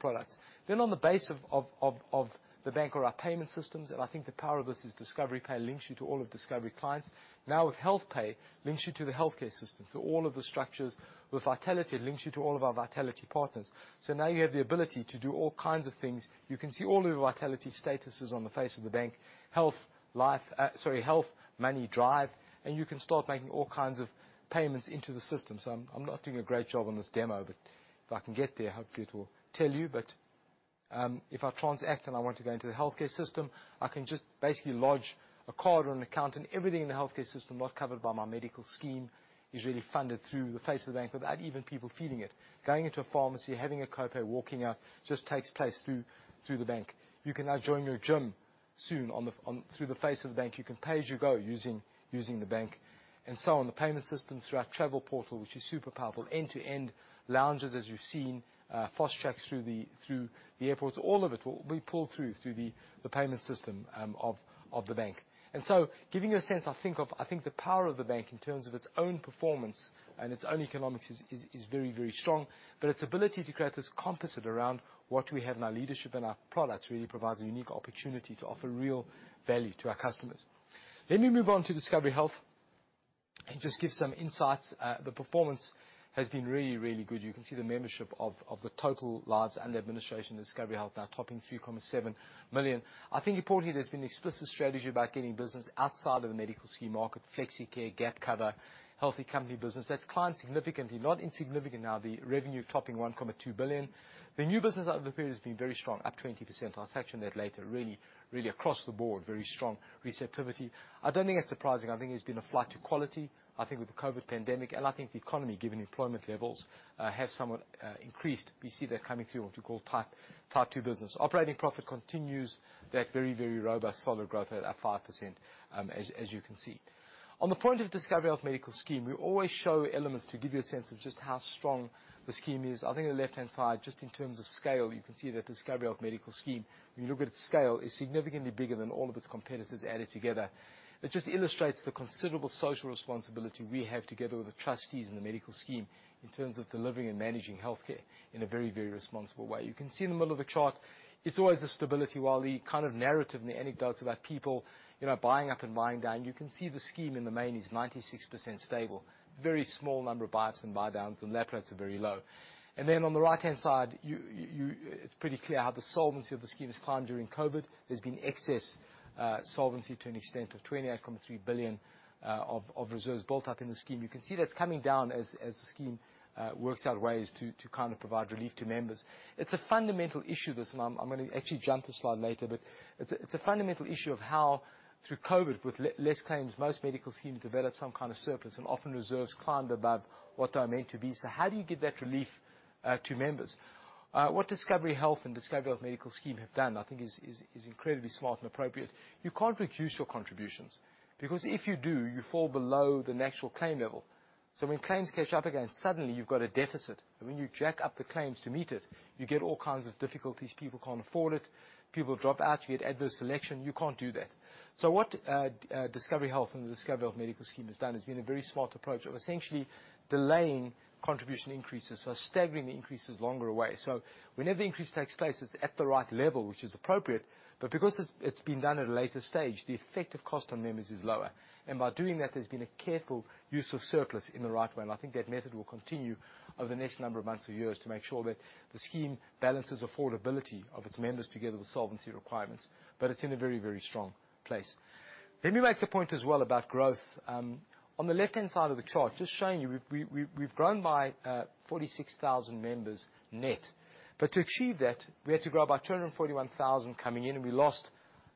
products. On the base of the bank are our payment systems. I think the power of this is Discovery Pay links you to all of Discovery clients. Now with Health Pay, links you to the healthcare system, to all of the structures. With Vitality, it links you to all of our Vitality partners. Now you have the ability to do all kinds of things. You can see all of the Vitality statuses on the app of the bank. Health, life, sorry, Health, Money, Drive. You can start making all kinds of payments into the system. I'm not doing a great job on this demo, but if I can get there, hopefully it will tell you. If I transact and I want to go into the healthcare system, I can just basically load a card or an account and everything in the healthcare system not covered by my medical scheme is really funded through the app of the bank without even people feeling it. Going into a pharmacy, having a co-pay, walking out, just takes place through the bank. You can now join your gym soon through the app of the bank. You can pay as you go using the bank and so on. The payment systems through our travel portal, which is super powerful. End-to-end lounges, as you've seen, fast tracks through the airports. All of it will be pulled through the payment system of the bank. Giving you a sense, I think the power of the bank in terms of its own performance and its own economics is very strong. Its ability to create this composite around what we have in our leadership and our products really provides a unique opportunity to offer real value to our customers. Let me move on to Discovery Health and just give some insights. The performance has been really good. You can see the membership of the total lives under administration at Discovery Health now topping 3.7 million. I think importantly, there's been explicit strategy about getting business outside of the medical scheme market. Flexicare, Gap Cover, Healthy Company business. That's climbed significantly. Not insignificant now, the revenue topping 1.2 billion. The new business over the period has been very strong, up 20%. I'll touch on that later. Really across the board, very strong receptivity. I don't think it's surprising. I think it's been a flight to quality. I think with the COVID pandemic and I think the economy, given employment levels, have somewhat increased. We see that coming through in what we call type two business. Operating profit continues that very robust, solid growth at 5%, as you can see. On the point of Discovery Health Medical Scheme, we always show elements to give you a sense of just how strong the scheme is. I think on the left-hand side, just in terms of scale, you can see that Discovery Health Medical Scheme, when you look at its scale, is significantly bigger than all of its competitors added together. It just illustrates the considerable social responsibility we have together with the trustees and the medical scheme in terms of delivering and managing healthcare in a very, very responsible way. You can see in the middle of the chart, it's always the stability. While the kind of narrative and the anecdotes about people, you know, buying up and buying down, you can see the scheme in the main is 96% stable. Very small number of buys and buy downs, and lapse rates are very low. Then on the right-hand side, it's pretty clear how the solvency of the scheme has climbed during COVID. There's been excess solvency to an extent of 28.3 billion of reserves built up in the scheme. You can see that's coming down as the scheme works out ways to kind of provide relief to members. It's a fundamental issue, this, and I'm gonna actually jump this slide later. It's a fundamental issue of how through COVID, with less claims, most medical schemes develop some kind of surplus and often reserves climbed above what they are meant to be. How do you give that relief to members? What Discovery Health and Discovery Health Medical Scheme have done, I think, is incredibly smart and appropriate. You can't reduce your contributions, because if you do, you fall below the natural claim level. When claims catch up again, suddenly you've got a deficit. When you jack up the claims to meet it, you get all kinds of difficulties. People can't afford it. People drop out. You get adverse selection. You can't do that. What Discovery Health and the Discovery Health Medical Scheme has done has been a very smart approach of essentially delaying contribution increases. Staggering the increases longer away. Whenever the increase takes place, it's at the right level, which is appropriate. Because it's being done at a later stage, the effect of cost on members is lower. By doing that, there's been a careful use of surplus in the right way. I think that method will continue over the next number of months or years to make sure that the scheme balances affordability of its members together with solvency requirements. It's in a very, very strong place. Let me make the point as well about growth. On the left-hand side of the chart, just showing you we've grown by 46,000 members net. To achieve that, we had to grow by 241,000 coming in, and we lost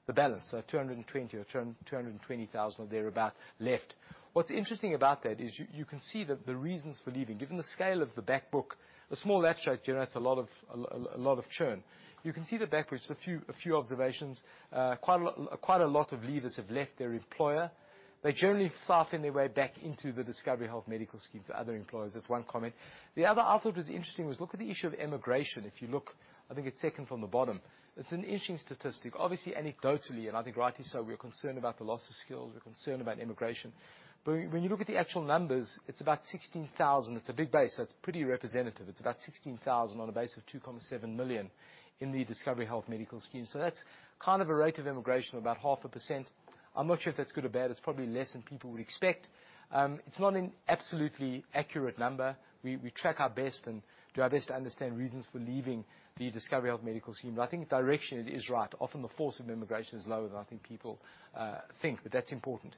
the balance. 220,000 or thereabouts left. What's interesting about that is you can see the reasons for leaving. Given the scale of the back book, the small lapse rate generates a lot of churn. You can see the back, which a few observations. Quite a lot of leavers have left their employer. They generally soften their way back into the Discovery Health Medical Scheme to other employers. That's one comment. The other I thought was interesting was look at the issue of immigration. If you look, I think it's second from the bottom. It's an interesting statistic. Obviously, anecdotally, and I think rightly so, we are concerned about the loss of skills, we're concerned about immigration. But when you look at the actual numbers, it's about 16,000. It's a big base, so it's pretty representative. It's about 16,000 on a base of 2.7 million in the Discovery Health Medical Scheme. So that's kind of a rate of immigration of about 0.5%. I'm not sure if that's good or bad. It's probably less than people would expect. It's not an absolutely accurate number. We track as best we can and do our best to understand reasons for leaving the Discovery Health Medical Scheme. I think the direction it is right. Often the force of emigration is lower than I think people think, but that's important.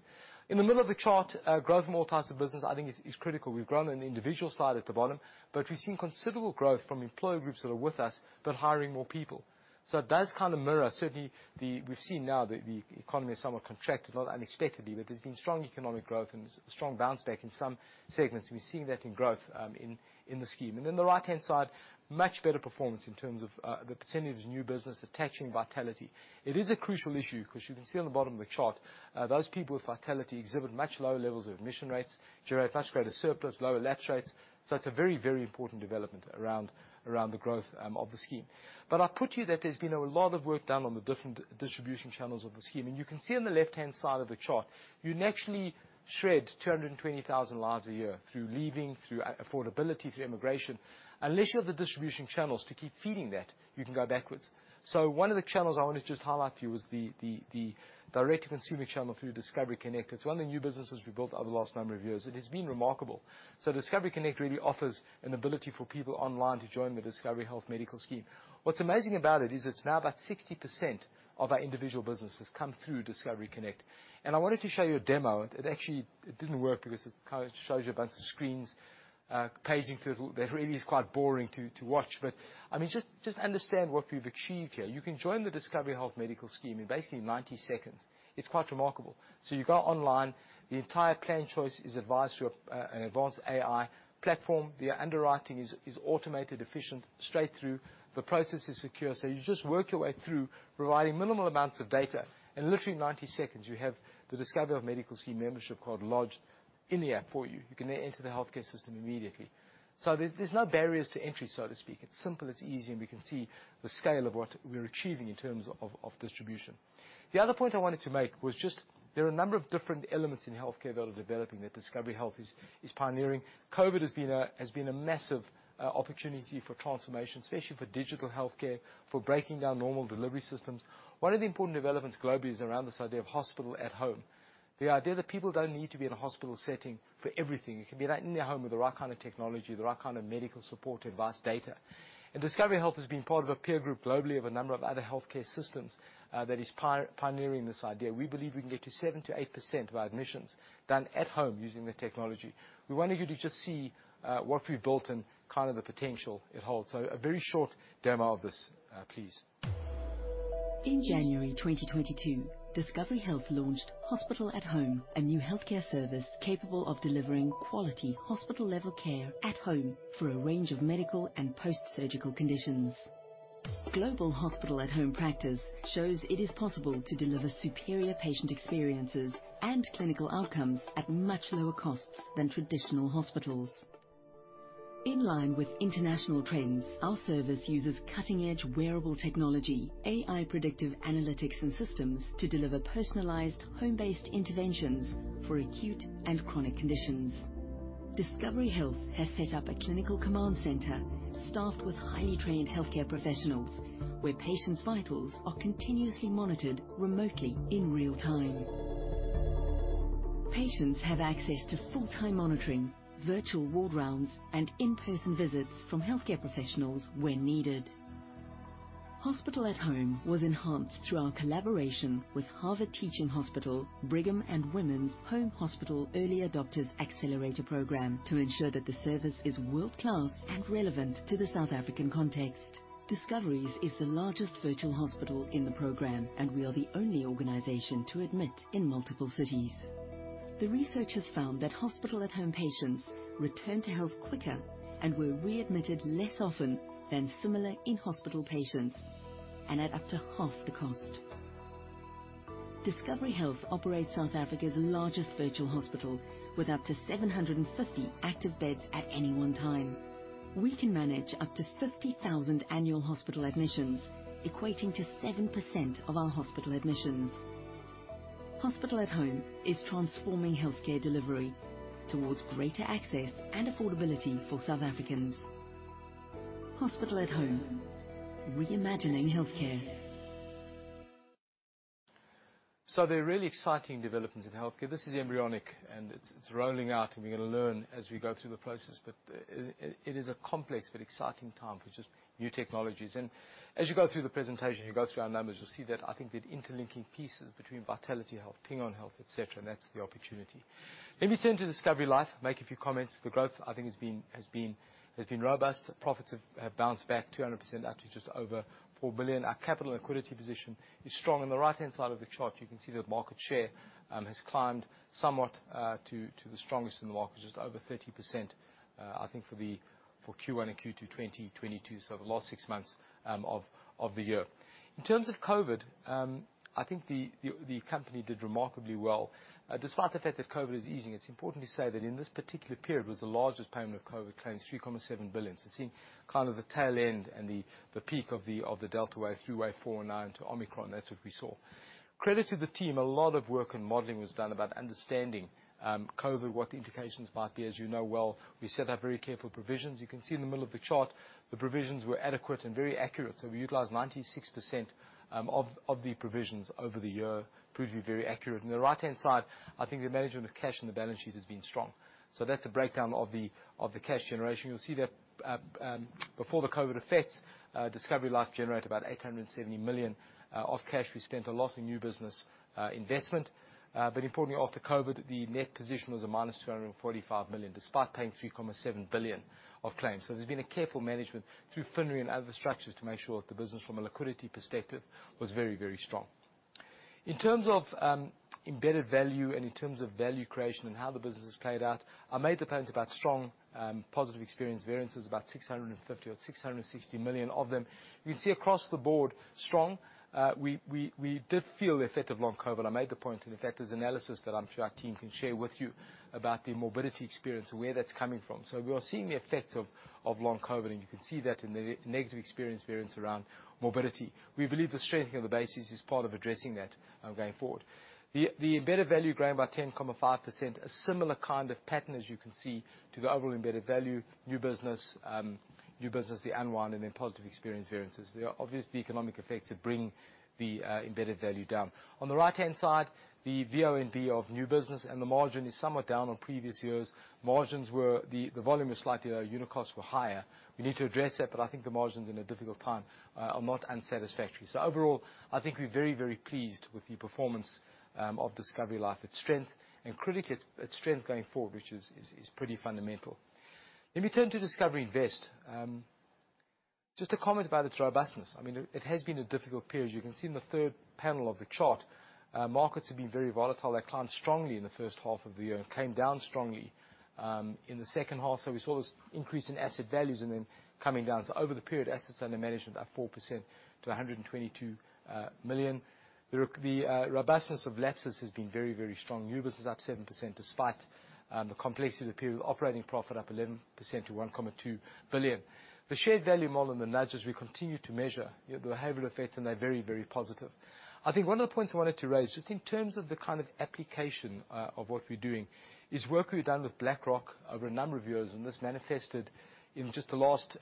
In the middle of the chart, growth from all types of business, I think is critical. We've grown on the individual side at the bottom, but we've seen considerable growth from employer groups that are with us, but hiring more people. It does kind of mirror. Certainly, we've seen now the economy has somewhat contracted, not unexpectedly, but there's been strong economic growth and strong bounce back in some segments. We've seen that in growth in the scheme. Then the right-hand side, much better performance in terms of the percentage of new business attaching Vitality. It is a crucial issue because you can see on the bottom of the chart, those people with Vitality exhibit much lower levels of admission rates, generate much greater surplus, lower lapse rates. It's a very, very important development around the growth of the scheme. I put to you that there's been a lot of work done on the different distribution channels of the scheme. You can see on the left-hand side of the chart, you naturally shed 220,000 lives a year through leaving, through affordability, through immigration. Unless you have the distribution channels to keep feeding that, you can go backwards. One of the channels I want to just highlight to you is the direct-to-consumer channel through Discovery Connect. It's one of the new businesses we built over the last number of years. It has been remarkable. Discovery Connect really offers an ability for people online to join the Discovery Health Medical Scheme. What's amazing about it is it's now about 60% of our individual business has come through Discovery Connect. I wanted to show you a demo. It actually did not work because it kind of shows you a bunch of screens paging through that really is quite boring to watch. I mean, just understand what we've achieved here. You can join the Discovery Health Medical Scheme in basically 90 seconds. It's quite remarkable. You go online. The entire plan choice is advised through an advanced AI platform. The underwriting is automated, efficient, straight through. The process is secure. You just work your way through providing minimal amounts of data. In literally 90 seconds, you have the Discovery Health Medical Scheme membership card lodged in the app for you. You can then enter the healthcare system immediately. There's no barriers to entry, so to speak. It's simple, it's easy, and we can see the scale of what we're achieving in terms of distribution. The other point I wanted to make was just there are a number of different elements in healthcare that are developing, that Discovery Health is pioneering. COVID has been a massive opportunity for transformation, especially for digital healthcare, for breaking down normal delivery systems. One of the important developments globally is around this idea of Hospital at Home. The idea that people don't need to be in a hospital setting for everything. It can be right in their home with the right kind of technology, the right kind of medical support, advice, data. Discovery Health has been part of a peer group globally of a number of other healthcare systems, that is pioneering this idea. We believe we can get to 7%-8% of our admissions done at home using the technology. We wanted you to just see what we've built and kind of the potential it holds. A very short demo of this, please. In January 2022, Discovery Health launched Hospital at Home, a new healthcare service capable of delivering quality hospital-level care at home for a range of medical and post-surgical conditions. Global Hospital at Home practice shows it is possible to deliver superior patient experiences and clinical outcomes at much lower costs than traditional hospitals. In line with international trends, our service uses cutting-edge wearable technology, AI predictive analytics and systems to deliver personalized home-based interventions for acute and chronic conditions. Discovery Health has set up a clinical command center staffed with highly trained healthcare professionals, where patients' vitals are continuously monitored remotely in real time. Patients have access to full-time monitoring, virtual ward rounds, and in-person visits from healthcare professionals when needed. Hospital at Home was enhanced through our collaboration with Brigham and Women's Hospital's Home Hospital Early Adopters Accelerator Program to ensure that the service is world-class and relevant to the South African context. Discovery's is the largest virtual hospital in the program, and we are the only organization to admit in multiple cities. The researchers found that Hospital at Home patients returned to health quicker and were readmitted less often than similar in-hospital patients and at up to half the cost. Discovery Health operates South Africa's largest virtual hospital with up to 750 active beds at any one time. We can manage up to 50,000 annual hospital admissions, equating to 7% of our hospital admissions. Hospital at Home is transforming healthcare delivery towards greater access and affordability for South Africans. Hospital at Home, reimagining healthcare. There are really exciting developments in healthcare. This is embryonic, and it's rolling out, and we're gonna learn as we go through the process. It is a complex but exciting time for just new technologies. As you go through the presentation, you go through our numbers, you'll see that, I think, the interlinking pieces between VitalityHealth, Ping An Health, et cetera, and that's the opportunity. Let me turn to Discovery Life, make a few comments. The growth, I think, has been robust. The profits have bounced back 200% up to just over 4 billion. Our capital and liquidity position is strong. On the right-hand side of the chart, you can see that market share has climbed somewhat to the strongest in the market, just over 30%, I think for Q1 and Q2 2022, so the last six months of the year. In terms of COVID, I think the company did remarkably well. Despite the fact that COVID is easing, it's important to say that in this particular period was the largest payment of COVID claims, 3.7 billion. So seeing kind of the tail end and the peak of the Delta wave through wave four and on to Omicron. That's what we saw. Credit to the team, a lot of work and modeling was done about understanding COVID, what the implications might be. As you know well, we set up very careful provisions. You can see in the middle of the chart, the provisions were adequate and very accurate, so we utilized 96% of the provisions over the year. Proved to be very accurate. On the right-hand side, I think the management of cash in the balance sheet has been strong. That's a breakdown of the cash generation. You'll see that, before the COVID effects, Discovery Life generated about 870 million of cash. We spent a lot in new business investment. Importantly, after COVID, the net position was -245 million, despite paying 3.7 billion of claims. There's been a careful management through FinRe and other structures to make sure that the business from a liquidity perspective was very, very strong. In terms of embedded value and in terms of value creation and how the business is played out, I made the point about strong positive experience variances, about 650 million or 660 million of them. You can see across the board strong. We did feel the effect of long COVID. I made the point, and in fact, there's analysis that I'm sure our team can share with you about the morbidity experience and where that's coming from. We are seeing the effects of long COVID, and you can see that in the negative experience variance around morbidity. We believe the strengthening of the basis is part of addressing that going forward. The embedded value growing by 10.5%, a similar kind of pattern, as you can see, to the overall embedded value. New business, the unwind, and then positive experience variances. There are obviously economic effects that bring the embedded value down. On the right-hand side, the VONB of new business and the margin is somewhat down on previous years. The volume was slightly low, unit costs were higher. We need to address that, but I think the margins in a difficult time are not unsatisfactory. Overall, I think we're very, very pleased with the performance of Discovery Life, its strength, and critically, its strength going forward, which is pretty fundamental. Let me turn to Discovery Invest. Just a comment about its robustness. I mean, it has been a difficult period. You can see in the third panel of the chart, markets have been very volatile. They climbed strongly in the first half of the year and came down strongly in the second half. We saw this increase in asset values and then coming down. Over the period, assets under management are 4% to 122 million. The robustness of lapses has been very, very strong. New business is up 7%, despite the complexity of the period. Operating profit up 11% to 1.2 billion. The Shared-Value model and the nudges, we continue to measure the behavioral effects, and they're very, very positive. I think one of the points I wanted to raise, just in terms of the kind of application of what we're doing, is work we've done with BlackRock over a number of years. This manifested in just the last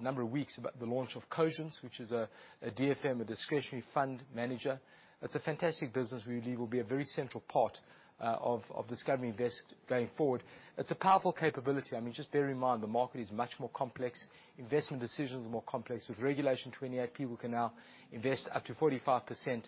number of weeks about the launch of Cogence, which is a DFM, a discretionary fund manager. It's a fantastic business we believe will be a very central part of Discovery Invest going forward. It's a powerful capability. I mean, just bear in mind, the market is much more complex. Investment decisions are more complex. With Regulation 28, people can now invest up to 45%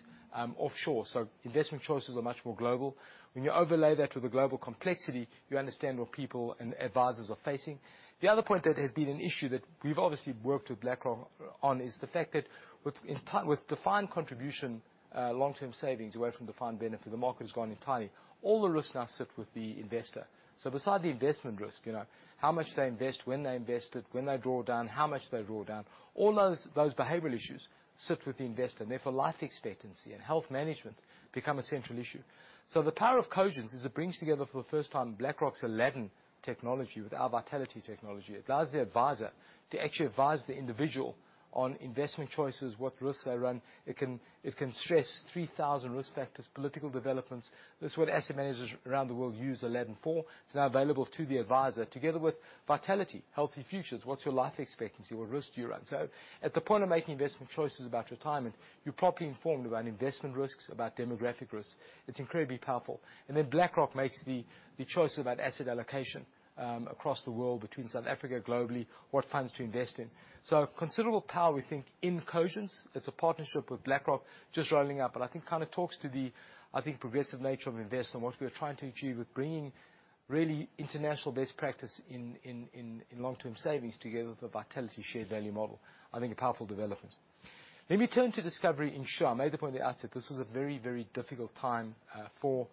offshore. So investment choices are much more global. When you overlay that with the global complexity, you understand what people and advisors are facing. The other point that has been an issue that we've obviously worked with BlackRock on is the fact that with defined contribution long-term savings away from defined benefit, the market has gone entirely. All the risks now sit with the investor. Beside the investment risk, you know, how much they invest, when they invest it, when they draw down, how much they draw down, all those behavioral issues sit with the investor, and therefore, life expectancy and health management become a central issue. The power of Cogence is it brings together for the first time BlackRock's Aladdin technology with our Vitality technology. It allows the advisor to actually advise the individual on investment choices, what risks they run. It can stress 3,000 risk factors, political developments. That's what asset managers around the world use Aladdin for. It's now available to the advisor, together with Vitality, Healthy Futures, what's your life expectancy? What risks do you run? At the point of making investment choices about retirement, you're properly informed about investment risks, about demographic risks. It's incredibly powerful. BlackRock makes the choices about asset allocation across the world between South Africa, globally, what funds to invest in. Considerable power, we think, in Cogence. It's a partnership with BlackRock just rolling out. I think kind of talks to the progressive nature of Invest and what we are trying to achieve with bringing really international best practice in long-term savings together with the Vitality Shared-Value model. I think a powerful development. Let me turn to Discovery Insure. I made the point at the outset, this was a very, very difficult time for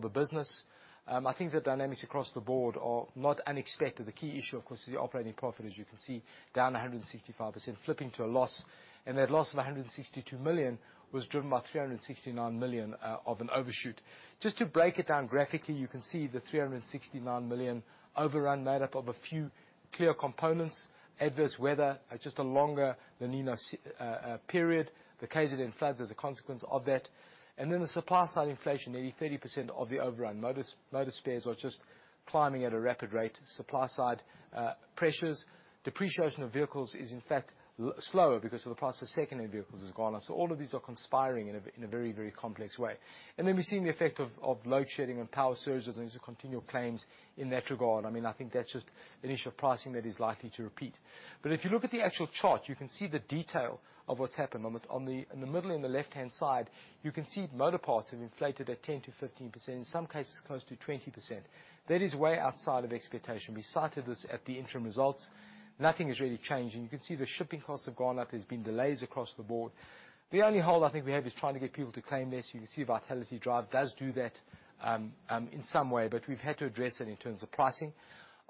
the business. I think the dynamics across the board are not unexpected. The key issue, of course, is the operating profit, as you can see, down 165%, flipping to a loss. That loss of 162 million was driven by 369 million of an overshoot. Just to break it down graphically, you can see the 369 million overrun made up of a few clear components. Adverse weather, just a longer La Niña period. The KZN floods as a consequence of that. Then the supply side inflation, nearly 30% of the overrun. Motor spares are just climbing at a rapid rate. Supply side pressures. Depreciation of vehicles is, in fact, slower because of the price of secondary vehicles has gone up. So all of these are conspiring in a very complex way. Then we're seeing the effect of load shedding and power surges, and there's continual claims in that regard. I mean, I think that's just an issue of pricing that is likely to repeat. If you look at the actual chart, you can see the detail of what's happened. In the middle and the left-hand side, you can see motor parts have inflated at 10%-15%, in some cases close to 20%. That is way outside of expectation. We cited this at the interim results. Nothing has really changed. You can see the shipping costs have gone up. There's been delays across the board. The only hold I think we have is trying to get people to claim this. You can see Vitality Drive does do that in some way, but we've had to address it in terms of pricing.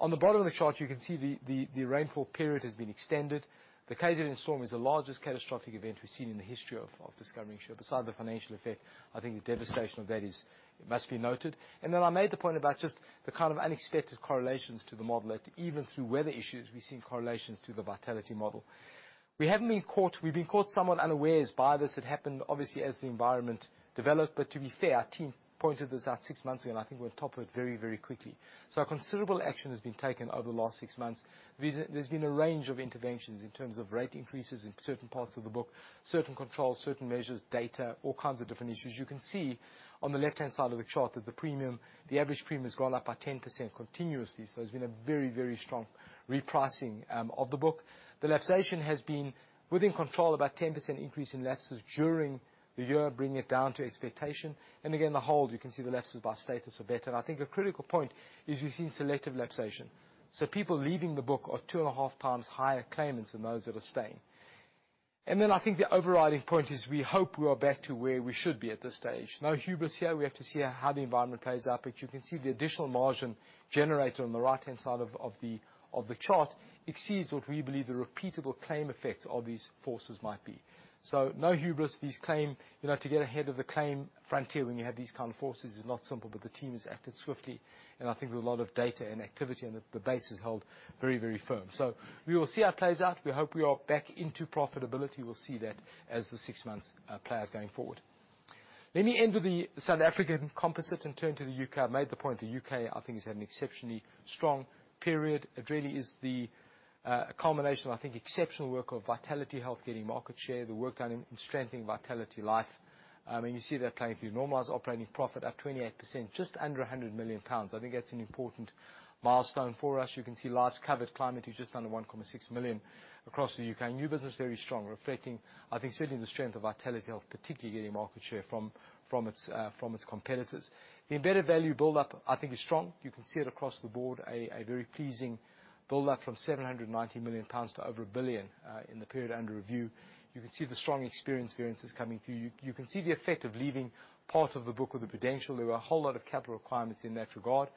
On the bottom of the chart, you can see the rainfall period has been extended. The KZN storm is the largest catastrophic event we've seen in the history of Discovery Insure. Besides the financial effect, I think the devastation of that is, must be noted. I made the point about just the kind of unexpected correlations to the model that even through weather issues, we're seeing correlations to the Vitality model. We haven't been caught. We've been caught somewhat unawares by this. It happened obviously as the environment developed. To be fair, our team pointed this out six months ago, and I think we're on top of it very, very quickly. Considerable action has been taken over the last six months. There's been a range of interventions in terms of rate increases in certain parts of the book, certain controls, certain measures, data, all kinds of different issues. You can see on the left-hand side of the chart that the premium, the average premium, has gone up by 10% continuously. There's been a very, very strong repricing of the book. The lapsation has been within control, about 10% increase in lapses during the year, bringing it down to expectation. Again, the hold, you can see the lapses by status are better. I think a critical point is we've seen selective lapsation. People leaving the book are two and a half times higher claimants than those that are staying. I think the overriding point is we hope we are back to where we should be at this stage. No hubris here. We have to see how the environment plays out, but you can see the additional margin generated on the right-hand side of the chart exceeds what we believe the repeatable claim effects of these forces might be. No hubris. These claim, you know, to get ahead of the claim frontier when you have these kind of forces is not simple, but the team has acted swiftly, and I think with a lot of data and activity, and the base has held very, very firm. We will see how it plays out. We hope we are back into profitability. We'll see that as the six months play out going forward. Let me end with the South African composite and turn to the U.K. I made the point, the U.K., I think, has had an exceptionally strong period. It really is the culmination of, I think, exceptional work of VitalityHealth getting market share, the work done in strengthening VitalityLife. You see that playing through normalized operating profit up 28%, just under 100 million pounds. I think that's an important milestone for us. You can see lives covered climbing to just under 1.6 million across the U.K. New business, very strong, reflecting, I think, certainly the strength of VitalityHealth, particularly getting market share from its competitors. The embedded value build-up, I think, is strong. You can see it across the board, a very pleasing build-up from 790 million pounds to over 1 billion in the period under review. You can see the strong experience variances coming through. You can see the effect of leaving part of the book with the Prudential. There were a whole lot of capital requirements in that regard.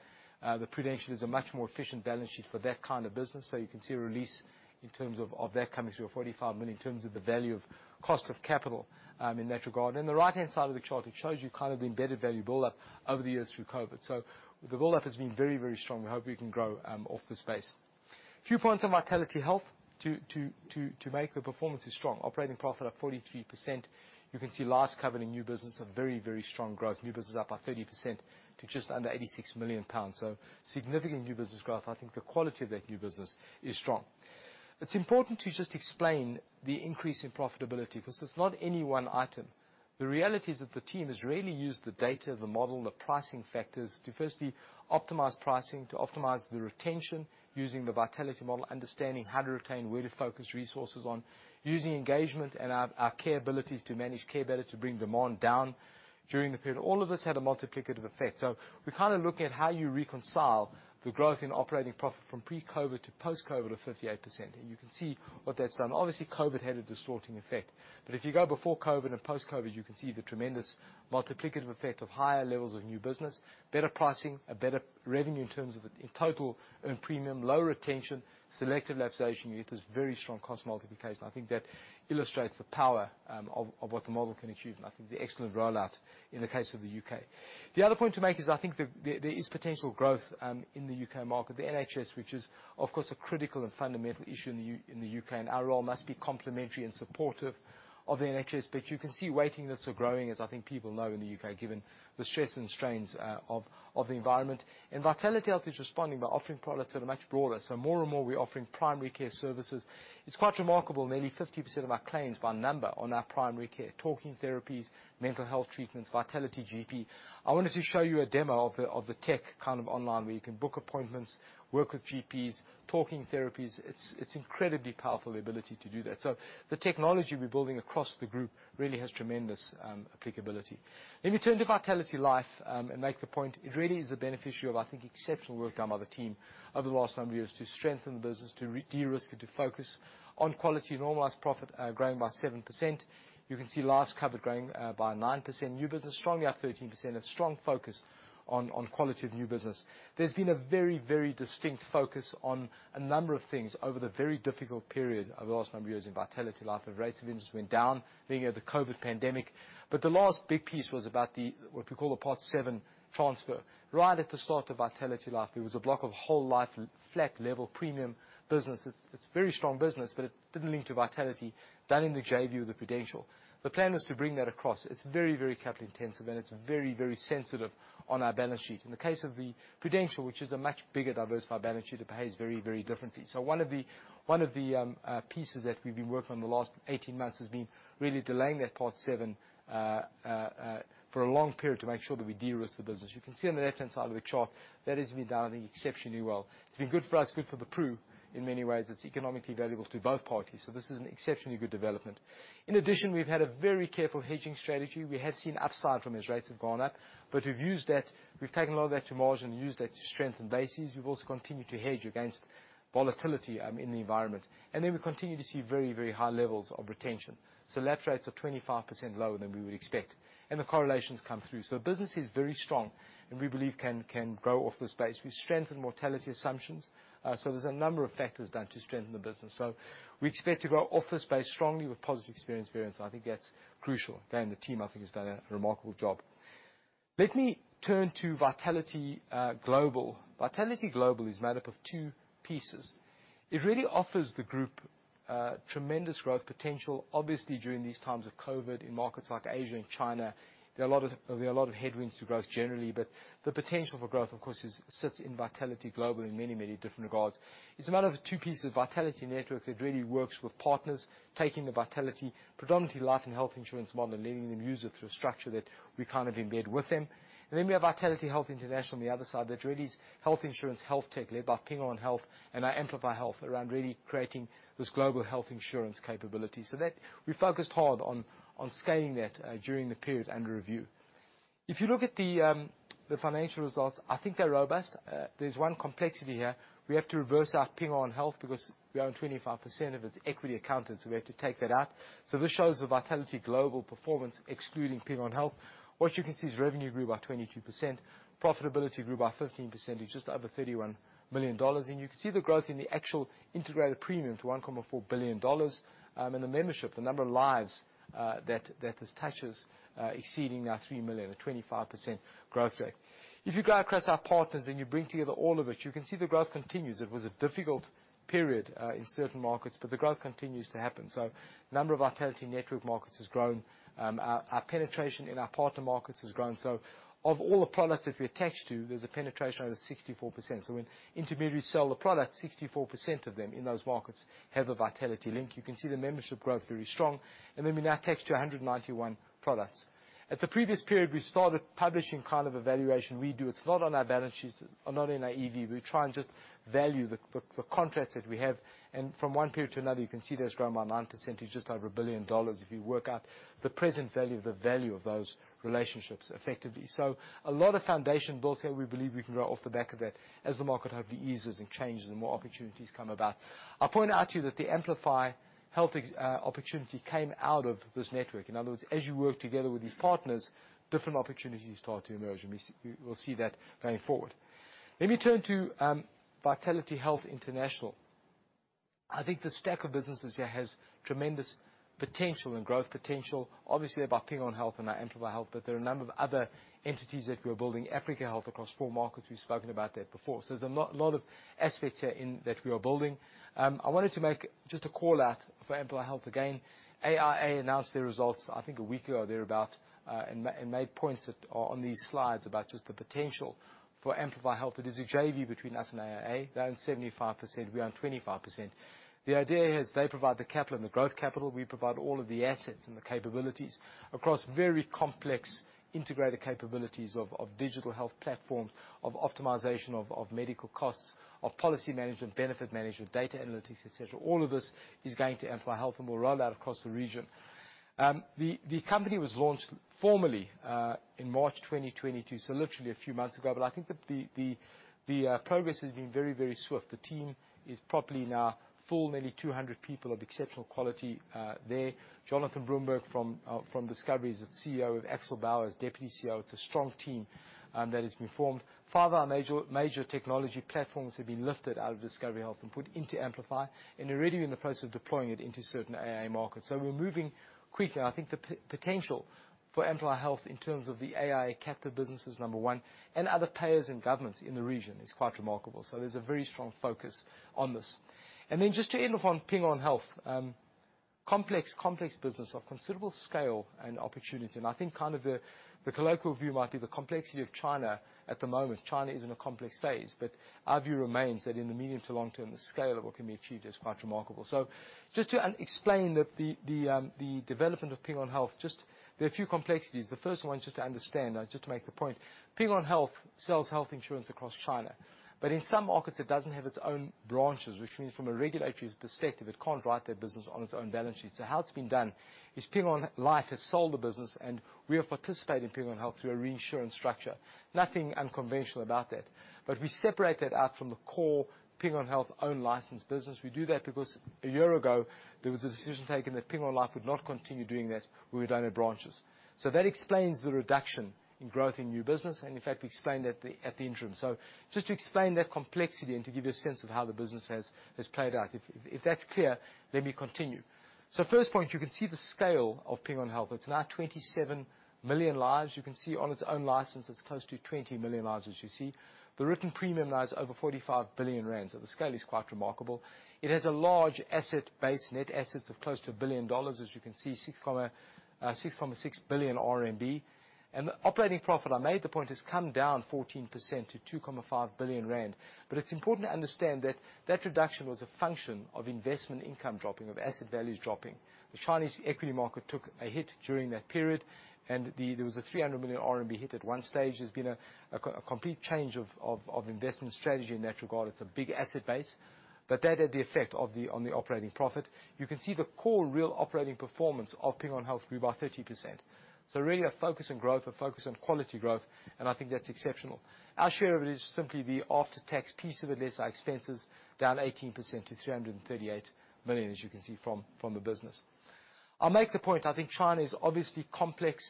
The Prudential is a much more efficient balance sheet for that kind of business. You can see a release in terms of that coming through, 45 million in terms of the value of cost of capital, in that regard. The right-hand side of the chart, it shows you kind of the embedded value build-up over the years through COVID. The build-up has been very, very strong. We hope we can grow off this base. Few points on VitalityHealth to make the performance is strong. Operating profit up 43%. You can see lives covering new business have very, very strong growth. New business up by 30% to just under 86 million pounds. Significant new business growth. I think the quality of that new business is strong. It's important to just explain the increase in profitability because it's not any one item. The reality is that the team has really used the data, the model, and the pricing factors to first optimize pricing, to optimize the retention using the Vitality model, understanding how to retain, where to focus resources on, using engagement and our care abilities to manage care better, to bring demand down during the period. All of this had a multiplicative effect. We kind of look at how you reconcile the growth in operating profit from pre-COVID to post-COVID of 58%, and you can see what that's done. Obviously, COVID had a distorting effect. If you go before COVID and post-COVID, you can see the tremendous multiplicative effect of higher levels of new business, better pricing, a better revenue in terms of the total earned premium, low retention, selective lapsation. You get this very strong cost multiplication. I think that illustrates the power of what the model can achieve. I think the excellent rollout in the case of the U.K. The other point to make is I think there is potential growth in the U.K. market. The NHS, which is of course a critical and fundamental issue in the U.K., and our role must be complementary and supportive of the NHS. You can see waiting lists are growing, as I think people know in the U.K., given the stress and strains of the environment. VitalityHealth is responding by offering products that are much broader. More and more, we're offering primary care services. It's quite remarkable. Nearly 50% of our claims by number on our primary care, talking therapies, mental health treatments, Vitality GP. I wanted to show you a demo of the tech kind of online, where you can book appointments, work with GPs, talking therapies. It's incredibly powerful, the ability to do that. The technology we're building across the group really has tremendous applicability. Let me turn to Vitality Life and make the point. It really is a beneficiary of, I think, exceptional work done by the team over the last number of years to strengthen the business, to de-risk it, to focus on quality. Normalized profit growing by 7%. You can see lives covered growing by 9%. New business strongly up 13%. A strong focus on quality of new business. There's been a very, very distinct focus on a number of things over the very difficult period over the last number of years in VitalityLife as rates of interest went down, the COVID pandemic. The last big piece was about the, what we call the Part VII transfer. Right at the start of VitalityLife, there was a block of whole life, flat level premium businesses. It's very strong business, but it didn't link to Vitality done in the JV with the Prudential. The plan was to bring that across. It's very, very capital intensive, and it's very, very sensitive on our balance sheet. In the case of the Prudential, which is a much bigger diversified balance sheet, it behaves very, very differently. One of the pieces that we've been working on the last 18 months has been really delaying that Part VII for a long period to make sure that we de-risk the business. You can see on the left-hand side of the chart, that has been done exceptionally well. It's been good for us, good for the Pru in many ways. It's economically valuable to both parties. This is an exceptionally good development. In addition, we've had a very careful hedging strategy. We have seen upside from FX rates have gone up, but we've used that. We've taken a lot of that to margin and used that to strengthen bases. We've also continued to hedge against volatility in the environment. We continue to see very, very high levels of retention. Lapse rates are 25% lower than we would expect, and the correlations come through. Business is very strong, and we believe can grow off this base. We've strengthened mortality assumptions. There's a number of factors done to strengthen the business. We expect to grow off this base strongly with positive experience variance. I think that's crucial. Again, the team, I think, has done a remarkable job. Let me turn to Vitality Global. Vitality Global is made up of two pieces. It really offers the group tremendous growth potential. Obviously, during these times of COVID in markets like Asia and China, there are a lot of headwinds to growth generally, but the potential for growth, of course, sits in Vitality Global in many, many different regards. It's a matter of two pieces. Vitality network that really works with partners, taking the Vitality predominantly life and health insurance model, and letting them use it through a structure that we kind of embed with them. We have VitalityHealth International on the other side that really is health insurance, health tech led by Ping An Health and Amplify Health around really creating this global health insurance capability. We focused hard on scaling that during the period under review. If you look at the financial results, I think they're robust. There's one complexity here. We have to reverse our Ping An Health because we own 25% of its equity account. We have to take that out. This shows the Vitality Global performance excluding Ping An Health. What you can see is revenue grew by 22%. Profitability grew by 15%. It's just over $31 million. You can see the growth in the actual integrated premium to $1.4 billion. The membership, the number of lives that this touches, exceeding now 3 million at 25% growth rate. If you go across our partners and you bring together all of it, you can see the growth continues. It was a difficult period in certain markets, but the growth continues to happen. Number of Vitality network markets has grown. Our penetration in our partner markets has grown. Of all the products that we attach to, there's a penetration of 64%. When intermediaries sell the product, 64% of them in those markets have a Vitality link. You can see the membership growth very strong. We now attach to 191 products. At the previous period, we started publishing kind of a valuation we do. It's not on our balance sheets or not in our EV. We try and just value the contracts that we have. From one period to another, you can see that's grown by 9%. It's just over $1 billion if you work out the present value of the value of those relationships effectively. A lot of foundation built here. We believe we can grow off the back of that. As the market hopefully eases and changes, the more opportunities come about. I'll point out to you that the Amplify Health opportunity came out of this network. In other words, as you work together with these partners, different opportunities start to emerge, and we'll see that going forward. Let me turn to VitalityHealth International. I think the stack of businesses here has tremendous potential and growth potential, obviously, by Ping An Health and our Amplify Health. There are a number of other entities that we are building Africa Health across four markets. We've spoken about that before. There's a lot of aspects here in that we are building. I wanted to make just a call out for Amplify Health again. AIA announced their results, I think, a week ago or thereabout, and made points that are on these slides about just the potential for Amplify Health. It is a JV between us and AIA. They own 75%. We own 25%. The idea is they provide the capital and the growth capital. We provide all of the assets and the capabilities across very complex integrated capabilities of digital health platforms, of optimization of medical costs, of policy management, benefit management, data analytics, et cetera. All of this is going to Amplify Health, and we'll roll out across the region. The company was launched formally in March 2022, so literally a few months ago. I think that the progress has been very, very swift. The team is probably now full, nearly 200 people of exceptional quality there. Jonathan Broomberg from Discovery is its CEO, with Axel Baur as Deputy CEO. It's a strong team that has been formed. Five of our major technology platforms have been lifted out of Discovery Health and put into Amplify, and already we're in the process of deploying it into certain AIA markets. We're moving quickly. I think the potential for Amplify Health in terms of the AIA captive business is number one, and other payers and governments in the region is quite remarkable. There's a very strong focus on this. Then just to end off on Ping An Health, complex business of considerable scale and opportunity. I think kind of the colloquial view might be the complexity of China. At the moment, China is in a complex phase. Our view remains that in the medium to long term, the scale of what can be achieved is quite remarkable. Just to explain the development of Ping An Health, there are a few complexities. The first one is just to understand, just to make the point. Ping An Health sells health insurance across China, but in some markets, it doesn't have its own branches, which means from a regulatory perspective, it can't write that business on its own balance sheet. How it's been done is Ping An Life has sold the business, and we have participated in Ping An Health through a reinsurance structure. Nothing unconventional about that. But we separate that out from the core Ping An Health own licensed business. We do that because a year ago, there was a decision taken that Ping An Life would not continue doing that where we don't have branches. That explains the reduction in growth in new business. In fact, we explained that at the interim. Just to explain that complexity and to give you a sense of how the business has played out. If that's clear, let me continue. First point, you can see the scale of Ping An Health. It's now 27 million lives. You can see on its own license, it's close to 20 million lives, as you see. The written premium now is over 45 billion rand, so the scale is quite remarkable. It has a large asset base, net assets of close to $1 billion. As you can see, 6.6 billion RMB. The operating profit, I made the point, has come down 14% to 2.5 billion rand. It's important to understand that that reduction was a function of investment income dropping, of asset values dropping. The Chinese equity market took a hit during that period, there was a 300 million RMB hit at one stage. There's been a complete change of investment strategy in that regard. It's a big asset base, but that had the effect on the operating profit. You can see the core real operating performance of Ping An Health grew by 30%. Really a focus on growth, a focus on quality growth, and I think that's exceptional. Our share of it is simply the after-tax piece of it, less our expenses, down 18% to 338 million, as you can see from the business. I'll make the point, I think China is obviously complex.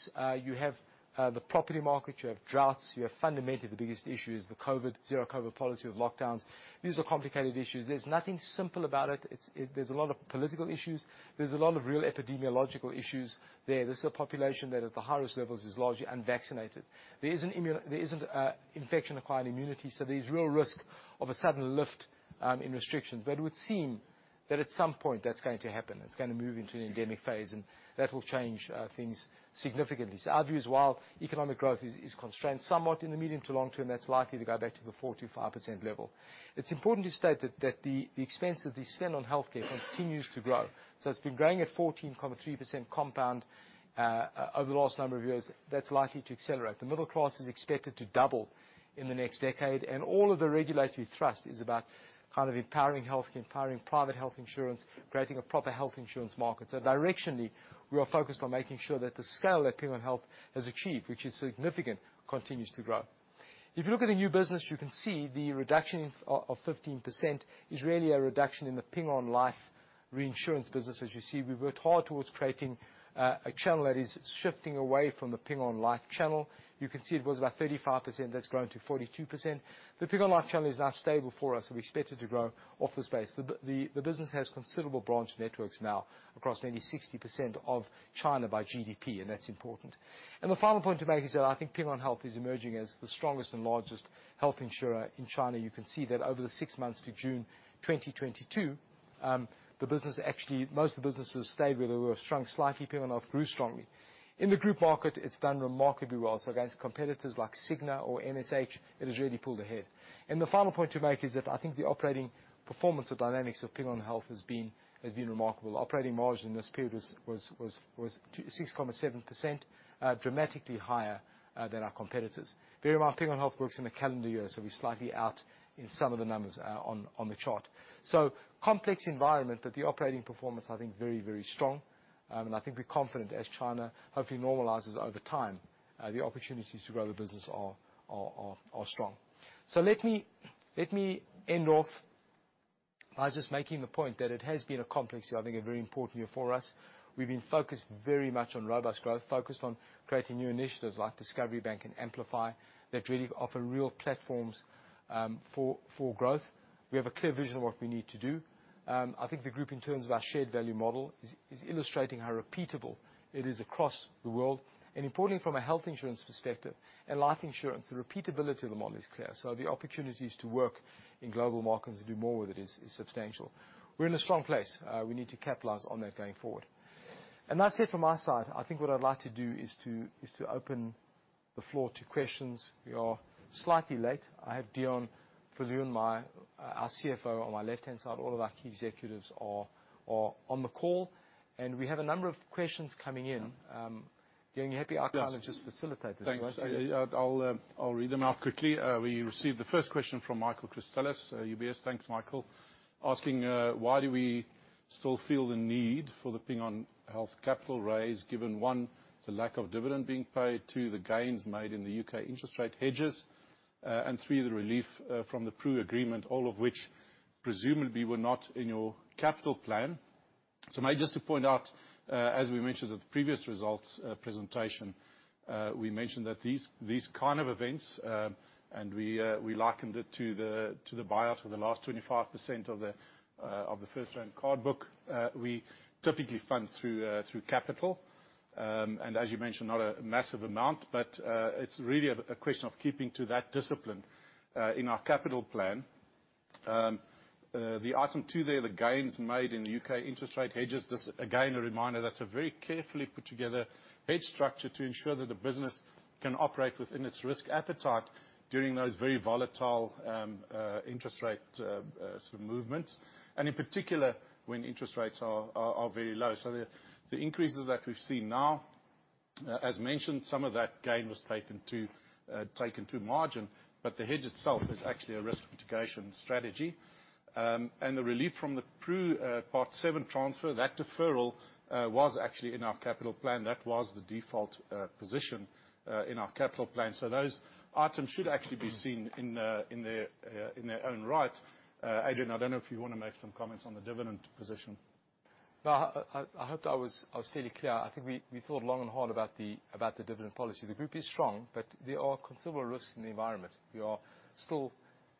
You have the property market, you have droughts, you have fundamentally the biggest issue is the COVID zero-COVID policy of lockdowns. These are complicated issues. There's nothing simple about it. There's a lot of political issues. There's a lot of real epidemiological issues there. This is a population that at the highest levels is largely unvaccinated. There isn't infection-acquired immunity, so there's real risk of a sudden lift in restrictions. It would seem that at some point that's going to happen. It's gonna move into the endemic phase, and that will change things significantly. Our view is while economic growth is constrained somewhat in the medium to long term, that's likely to go back to the 4%-5% level. It's important to state that the expense that they spend on healthcare continues to grow. It's been growing at 14.3% compound over the last number of years. That's likely to accelerate. The middle class is expected to double in the next decade, and all of the regulatory thrust is about kind of empowering healthcare, empowering private health insurance, creating a proper health insurance market. Directionally, we are focused on making sure that the scale that Ping An Health has achieved, which is significant, continues to grow. If you look at the new business, you can see the reduction of 15% is really a reduction in the Ping An Life reinsurance business. As you see, we've worked hard towards creating a channel that is shifting away from the Ping An Life channel. You can see it was about 35%. That's grown to 42%. The Ping An Life channel is now stable for us, and we expect it to grow its share. The business has considerable branch networks now across maybe 60% of China by GDP, and that's important. The final point to make is that I think Ping An Health is emerging as the strongest and largest health insurer in China. You can see that over the six months to June 2022. Actually, most of the business was stable. They were strong. Vitality, Ping An Health grew strongly. In the group market, it's done remarkably well. Against competitors like Cigna or MSH, it has really pulled ahead. The final point to make is that I think the operating performance or dynamics of Ping An Health has been remarkable. Operating margin in this period was 6.7%. Dramatically higher than our competitors. Bear in mind, Ping An Health works in a calendar year, so we're slightly out in some of the numbers on the chart. Complex environment, but the operating performance, I think very, very strong. I think we're confident as China hopefully normalizes over time, the opportunities to grow the business are strong. Let me end off by just making the point that it has been a complex year. I think a very important year for us. We've been focused very much on robust growth, focused on creating new initiatives like Discovery Bank and Amplify that really offer real platforms for growth. We have a clear vision of what we need to do. I think the group in terms of our Shared-Value model is illustrating how repeatable it is across the world. Importantly, from a health insurance perspective and life insurance, the repeatability of the model is clear. The opportunities to work in global markets to do more with it is substantial. We're in a strong place. We need to capitalize on that going forward. That's it from my side. I think what I'd like to do is to open the floor to questions. We are slightly late. I have Deon Viljoen, my, our CFO on my left-hand side. All of our key executives are on the call. We have a number of questions coming in. Deon, you happy? Yes. I kind of just facilitate this, right? Thanks. I'll read them out quickly. We received the first question from Michael Christelis, UBS. Thanks, Michael. Asking, why do we still feel the need for the Ping An Health capital raise, given, one, the lack of dividend being paid, two, the gains made in the U.K. interest rate hedges, and three, the relief from the Pru agreement, all of which presumably were not in your capital plan. Maybe just to point out, as we mentioned at the previous results presentation, we mentioned that these kind of events, and we likened it to the buyout of the last 25% of the FirstRand card book. We typically fund through capital. As you mentioned, not a massive amount, but it's really a question of keeping to that discipline in our capital plan. The item two there, the gains made in the U.K. interest rate hedges. This again, a reminder that's a very carefully put together hedge structure to ensure that the business can operate within its risk appetite during those very volatile interest rate sort of movements, and in particular, when interest rates are very low. The increases that we've seen now, as mentioned, some of that gain was taken to margin, but the hedge itself is actually a risk mitigation strategy. The relief from the Pru Part VII transfer, that deferral, was actually in our capital plan. That was the default position in our capital plan. Those items should actually be seen in their own right. Adrian, I don't know if you wanna make some comments on the dividend position. No, I hoped I was fairly clear. I think we thought long and hard about the dividend policy. The group is strong, but there are considerable risks in the environment. We are still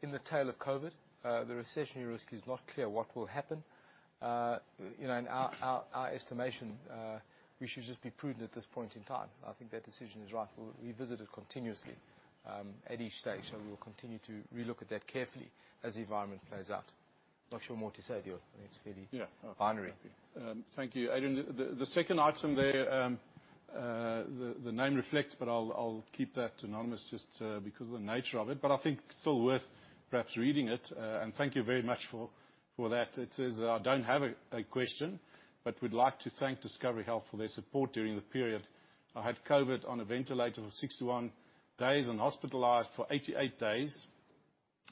in the tail of COVID. The recessionary risk is not clear what will happen. You know, in our estimation, we should just be prudent at this point in time. I think that decision is right. We'll revisit it continuously at each stage. We will continue to relook at that carefully as the environment plays out. Not sure what more to say, Deon. I think it's fairly- Yeah. -binary. Thank you. Adrian, the second item there, the name reflects, but I'll keep that anonymous just because of the nature of it. I think still worth perhaps reading it. And thank you very much for that. It says, "I don't have a question, but we'd like to thank Discovery Health for their support during the period. I had COVID on a ventilator for 61 days and hospitalized for 88 days,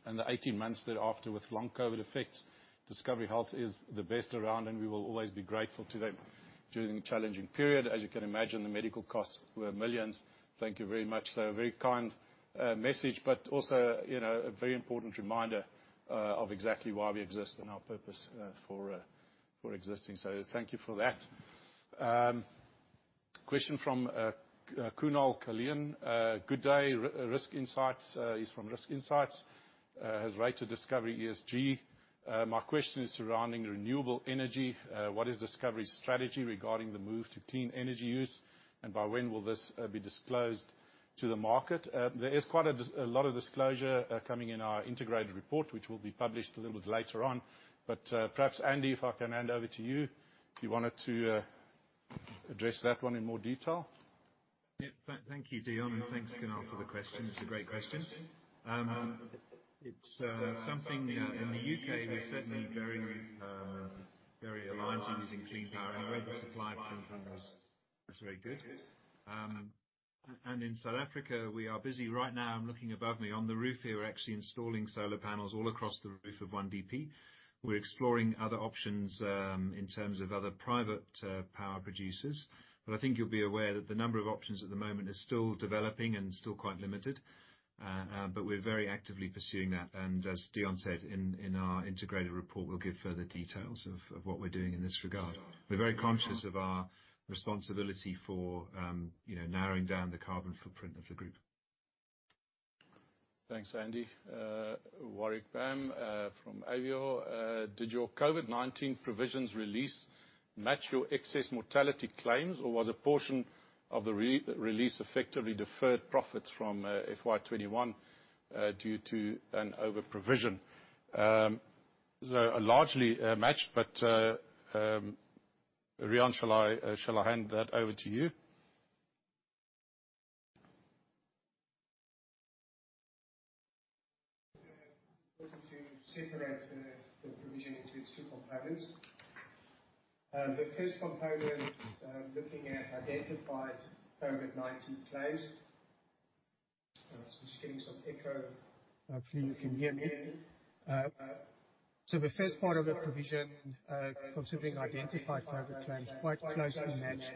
and the 18 months thereafter with long COVID effects. Discovery Health is the best around, and we will always be grateful to them. During the challenging period, as you can imagine, the medical costs were millions. Thank you very much." A very kind message, but also, you know, a very important reminder of exactly why we exist and our purpose for existing. Thank you for that. Question from Kunaal Kalyan. Good day. Risk Insights, he's from Risk Insights. Has rated Discovery ESG. My question is surrounding renewable energy. What is Discovery's strategy regarding the move to clean energy use, and by when will this be disclosed to the market? There is quite a lot of disclosure coming in our integrated report, which will be published a little bit later on. Perhaps, Andy, if I can hand over to you, if you wanted to address that one in more detail. Yeah. Thank you, Deon, and thanks, Kunaal, for the question. It's a great question. It's something in the U.K. we're certainly very very aligned to using clean power, and where the supply of clean power is very good. And in South Africa, we are busy. Right now, I'm looking above me. On the roof here, we're actually installing solar panels all across the roof of 1DP. We're exploring other options in terms of other private power producers. But I think you'll be aware that the number of options at the moment is still developing and still quite limited. But we're very actively pursuing that. As Deon said, in our integrated report, we'll give further details of what we're doing in this regard. We're very conscious of our responsibility for, you know, narrowing down the carbon footprint of the group. Thanks, Andy. Warwick Bam from Avior. Did your COVID-19 provisions release match your excess mortality claims, or was a portion of the re-release effectively deferred profits from FY 2021 due to an overprovision? Largely matched, but Riaan, shall I hand that over to you? Separate the provision into its two components. The first component, looking at identified COVID-19 claims. Just getting some echo. Hopefully you can hear me. The first part of the provision, considering identified COVID claims, quite closely matched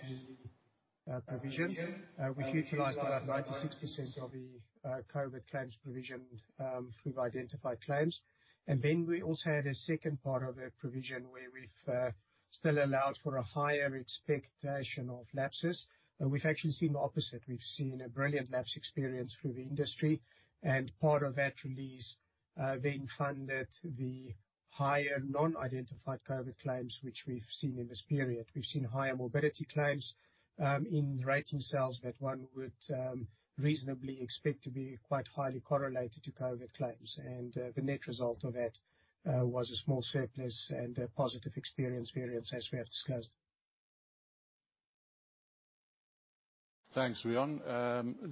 the provision. We've utilized about 96% of the COVID claims provision through identified claims. Then we also had a second part of the provision where we've still allowed for a higher expectation of lapses. We've actually seen the opposite. We've seen a brilliant lapse experience through the industry. Part of that release then funded the higher non-identified COVID claims, which we've seen in this period. We've seen higher morbidity claims in rating cells that one would reasonably expect to be quite highly correlated to COVID claims. The net result of that was a small surplus and a positive experience variance as we have discussed. Thanks, Riaan.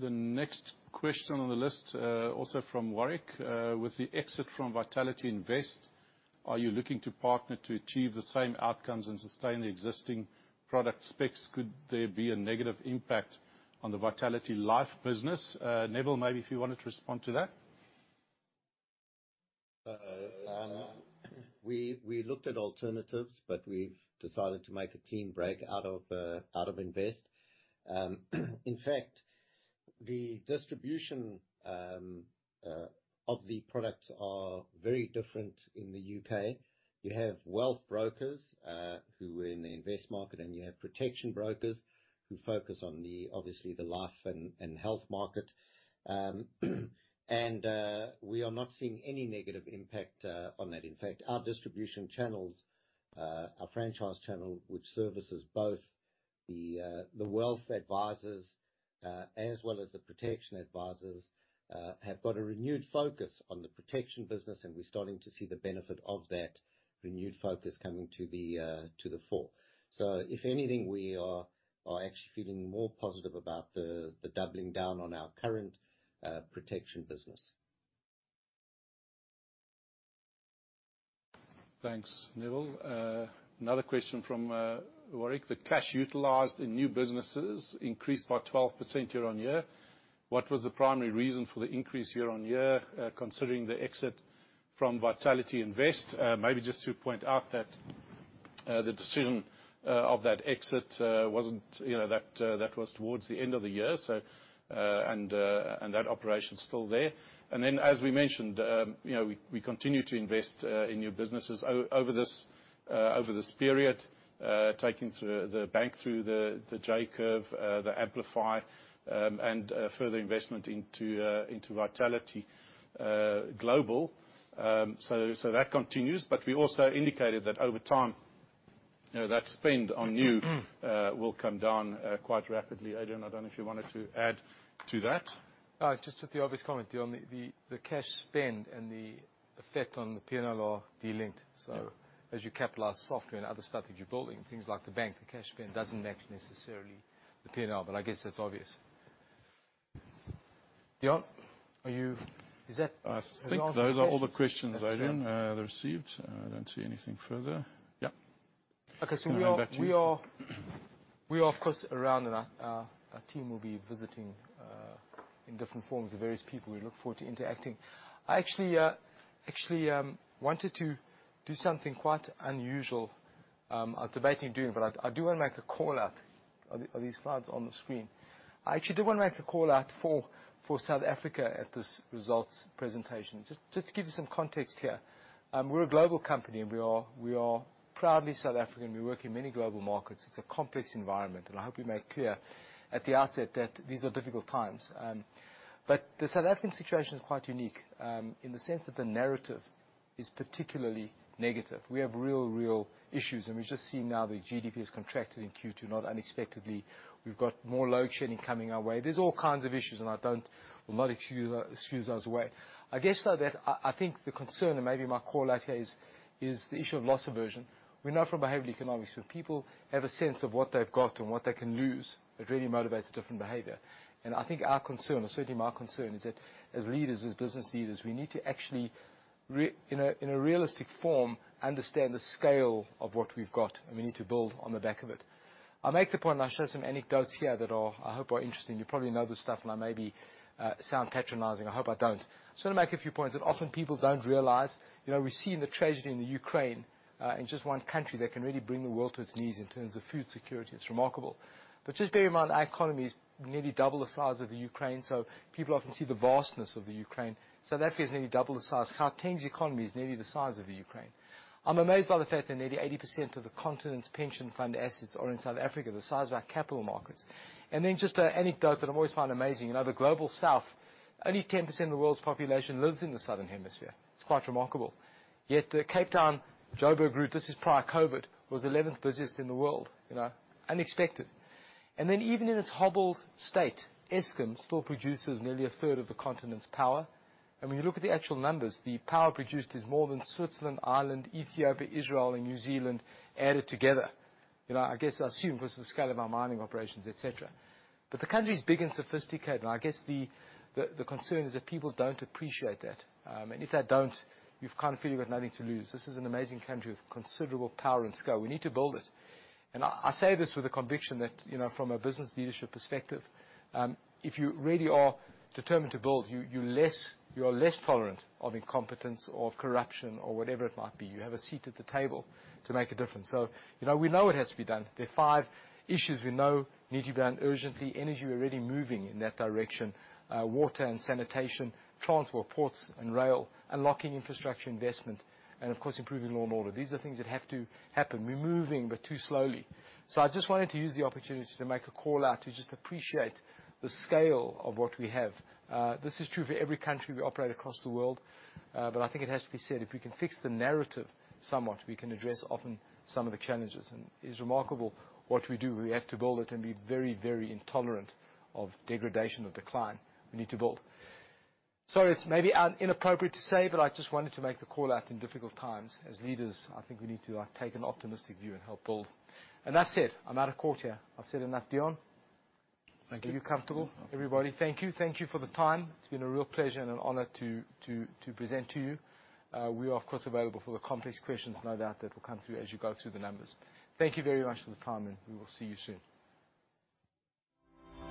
The next question on the list, also from Warwick. With the exit from VitalityInvest, are you looking to partner to achieve the same outcomes and sustain the existing product specs? Could there be a negative impact on the VitalityLife business? Neville, maybe if you wanted to respond to that. We looked at alternatives, but we've decided to make a clean break out of VitalityInvest. In fact, the distribution of the products are very different in the U.K. You have wealth brokers who are in the invest market, and you have protection brokers who focus on, obviously, the life and health market. We are not seeing any negative impact on that. In fact, our distribution channels, our franchise channel, which services both the wealth advisors as well as the protection advisors, have got a renewed focus on the protection business, and we're starting to see the benefit of that renewed focus coming to the fore. If anything, we are actually feeling more positive about the doubling down on our current protection business. Thanks, Neville. Another question from Warwick. The cash utilized in new businesses increased by 12% year-on-year. What was the primary reason for the increase year-on-year, considering the exit from VitalityInvest? Maybe just to point out that the decision of that exit wasn't, you know, that that was towards the end of the year, so, and that operation's still there. Then, as we mentioned, you know, we continue to invest in new businesses over this period, taking the bank through the J-curve, the Amplify, and further investment into Vitality Global. So that continues. But we also indicated that over time, you know, that spend on new will come down quite rapidly. Adrian, I don't know if you wanted to add to that. Just with the obvious comment, Deon. The cash spend and the effect on the PNL are delinked. Yeah. As you capitalize software and other strategy building, things like the bank, the cash spend doesn't match necessarily the PNL, but I guess that's obvious. Deon, is that- I think those are all the questions, Adrian, that I received. I don't see anything further. Yeah. Okay. Hand it back to you. We are, of course, around and our team will be visiting in different forms of various people. We look forward to interacting. I actually wanted to do something quite unusual. I was debating doing it, but I do wanna make a call-out of these slides on the screen. I actually do wanna make a call-out for South Africa at this results presentation. Just to give you some context here, we're a global company and we are proudly South African. We work in many global markets. It's a complex environment, and I hope we made it clear at the outset that these are difficult times. The South African situation is quite unique, in the sense that the narrative is particularly negative. We have real issues, and we've just seen now the GDP has contracted in Q2, not unexpectedly. We've got more load shedding coming our way. There's all kinds of issues, and I will not excuse those away. I guess, though, that I think the concern and maybe my callout here is the issue of loss aversion. We know from behavioral economics, when people have a sense of what they've got and what they can lose, it really motivates different behavior. I think our concern, or certainly my concern, is that as leaders, as business leaders, we need to actually in a realistic form understand the scale of what we've got, and we need to build on the back of it. I'll make the point, and I'll share some anecdotes here that are, I hope, interesting. You probably know this stuff, and I may sound patronizing. I hope I don't. Just wanna make a few points that often people don't realize. You know, we've seen the tragedy in the Ukraine in just one country that can really bring the world to its knees in terms of food security. It's remarkable. Just bear in mind, our economy is nearly double the size of the Ukraine, so people often see the vastness of the Ukraine. South Africa is nearly double the size. Gauteng's economy is nearly the size of the Ukraine. I'm amazed by the fact that nearly 80% of the continent's pension fund assets are in South Africa, the size of our capital markets. Then just an anecdote that I always find amazing, you know, the Global South, only 10% of the world's population lives in the Southern Hemisphere. It's quite remarkable. Yet the Cape Town-Joburg route, this is prior COVID, was the eleventh busiest in the world. You know, unexpected. Then even in its hobbled state, Eskom still produces nearly a third of the continent's power. When you look at the actual numbers, the power produced is more than Switzerland, Ireland, Ethiopia, Israel and New Zealand added together. You know, I guess, I assume because of the scale of our mining operations, et cetera. The country is big and sophisticated, and I guess the concern is that people don't appreciate that. If they don't, you kind of feel you've got nothing to lose. This is an amazing country with considerable power and scale. We need to build it. I say this with the conviction that, you know, from a business leadership perspective, if you really are determined to build, you are less tolerant of incompetence or of corruption or whatever it might be. You have a seat at the table to make a difference. You know, we know it has to be done. There are five issues we know need to be done urgently. Energy, we're already moving in that direction. Water and sanitation, transport, ports and rail, unlocking infrastructure investment, and of course, improving law and order. These are things that have to happen. We're moving, but too slowly. I just wanted to use the opportunity to make a call-out to just appreciate the scale of what we have. This is true for every country we operate across the world, but I think it has to be said, if we can fix the narrative somewhat, we can address often some of the challenges. It's remarkable what we do. We have to build it and be very, very intolerant of degradation, of decline. We need to build. It's maybe inappropriate to say, but I just wanted to make the call-out in difficult times. As leaders, I think we need to take an optimistic view and help build. That's it. I'm out of court here. I've said enough, Deon. Thank you. Are you comfortable? Everybody, thank you. Thank you for the time. It's been a real pleasure and an honor to present to you. We are of course available for the complex questions, no doubt, that will come through as you go through the numbers. Thank you very much for the time, and we will see you soon.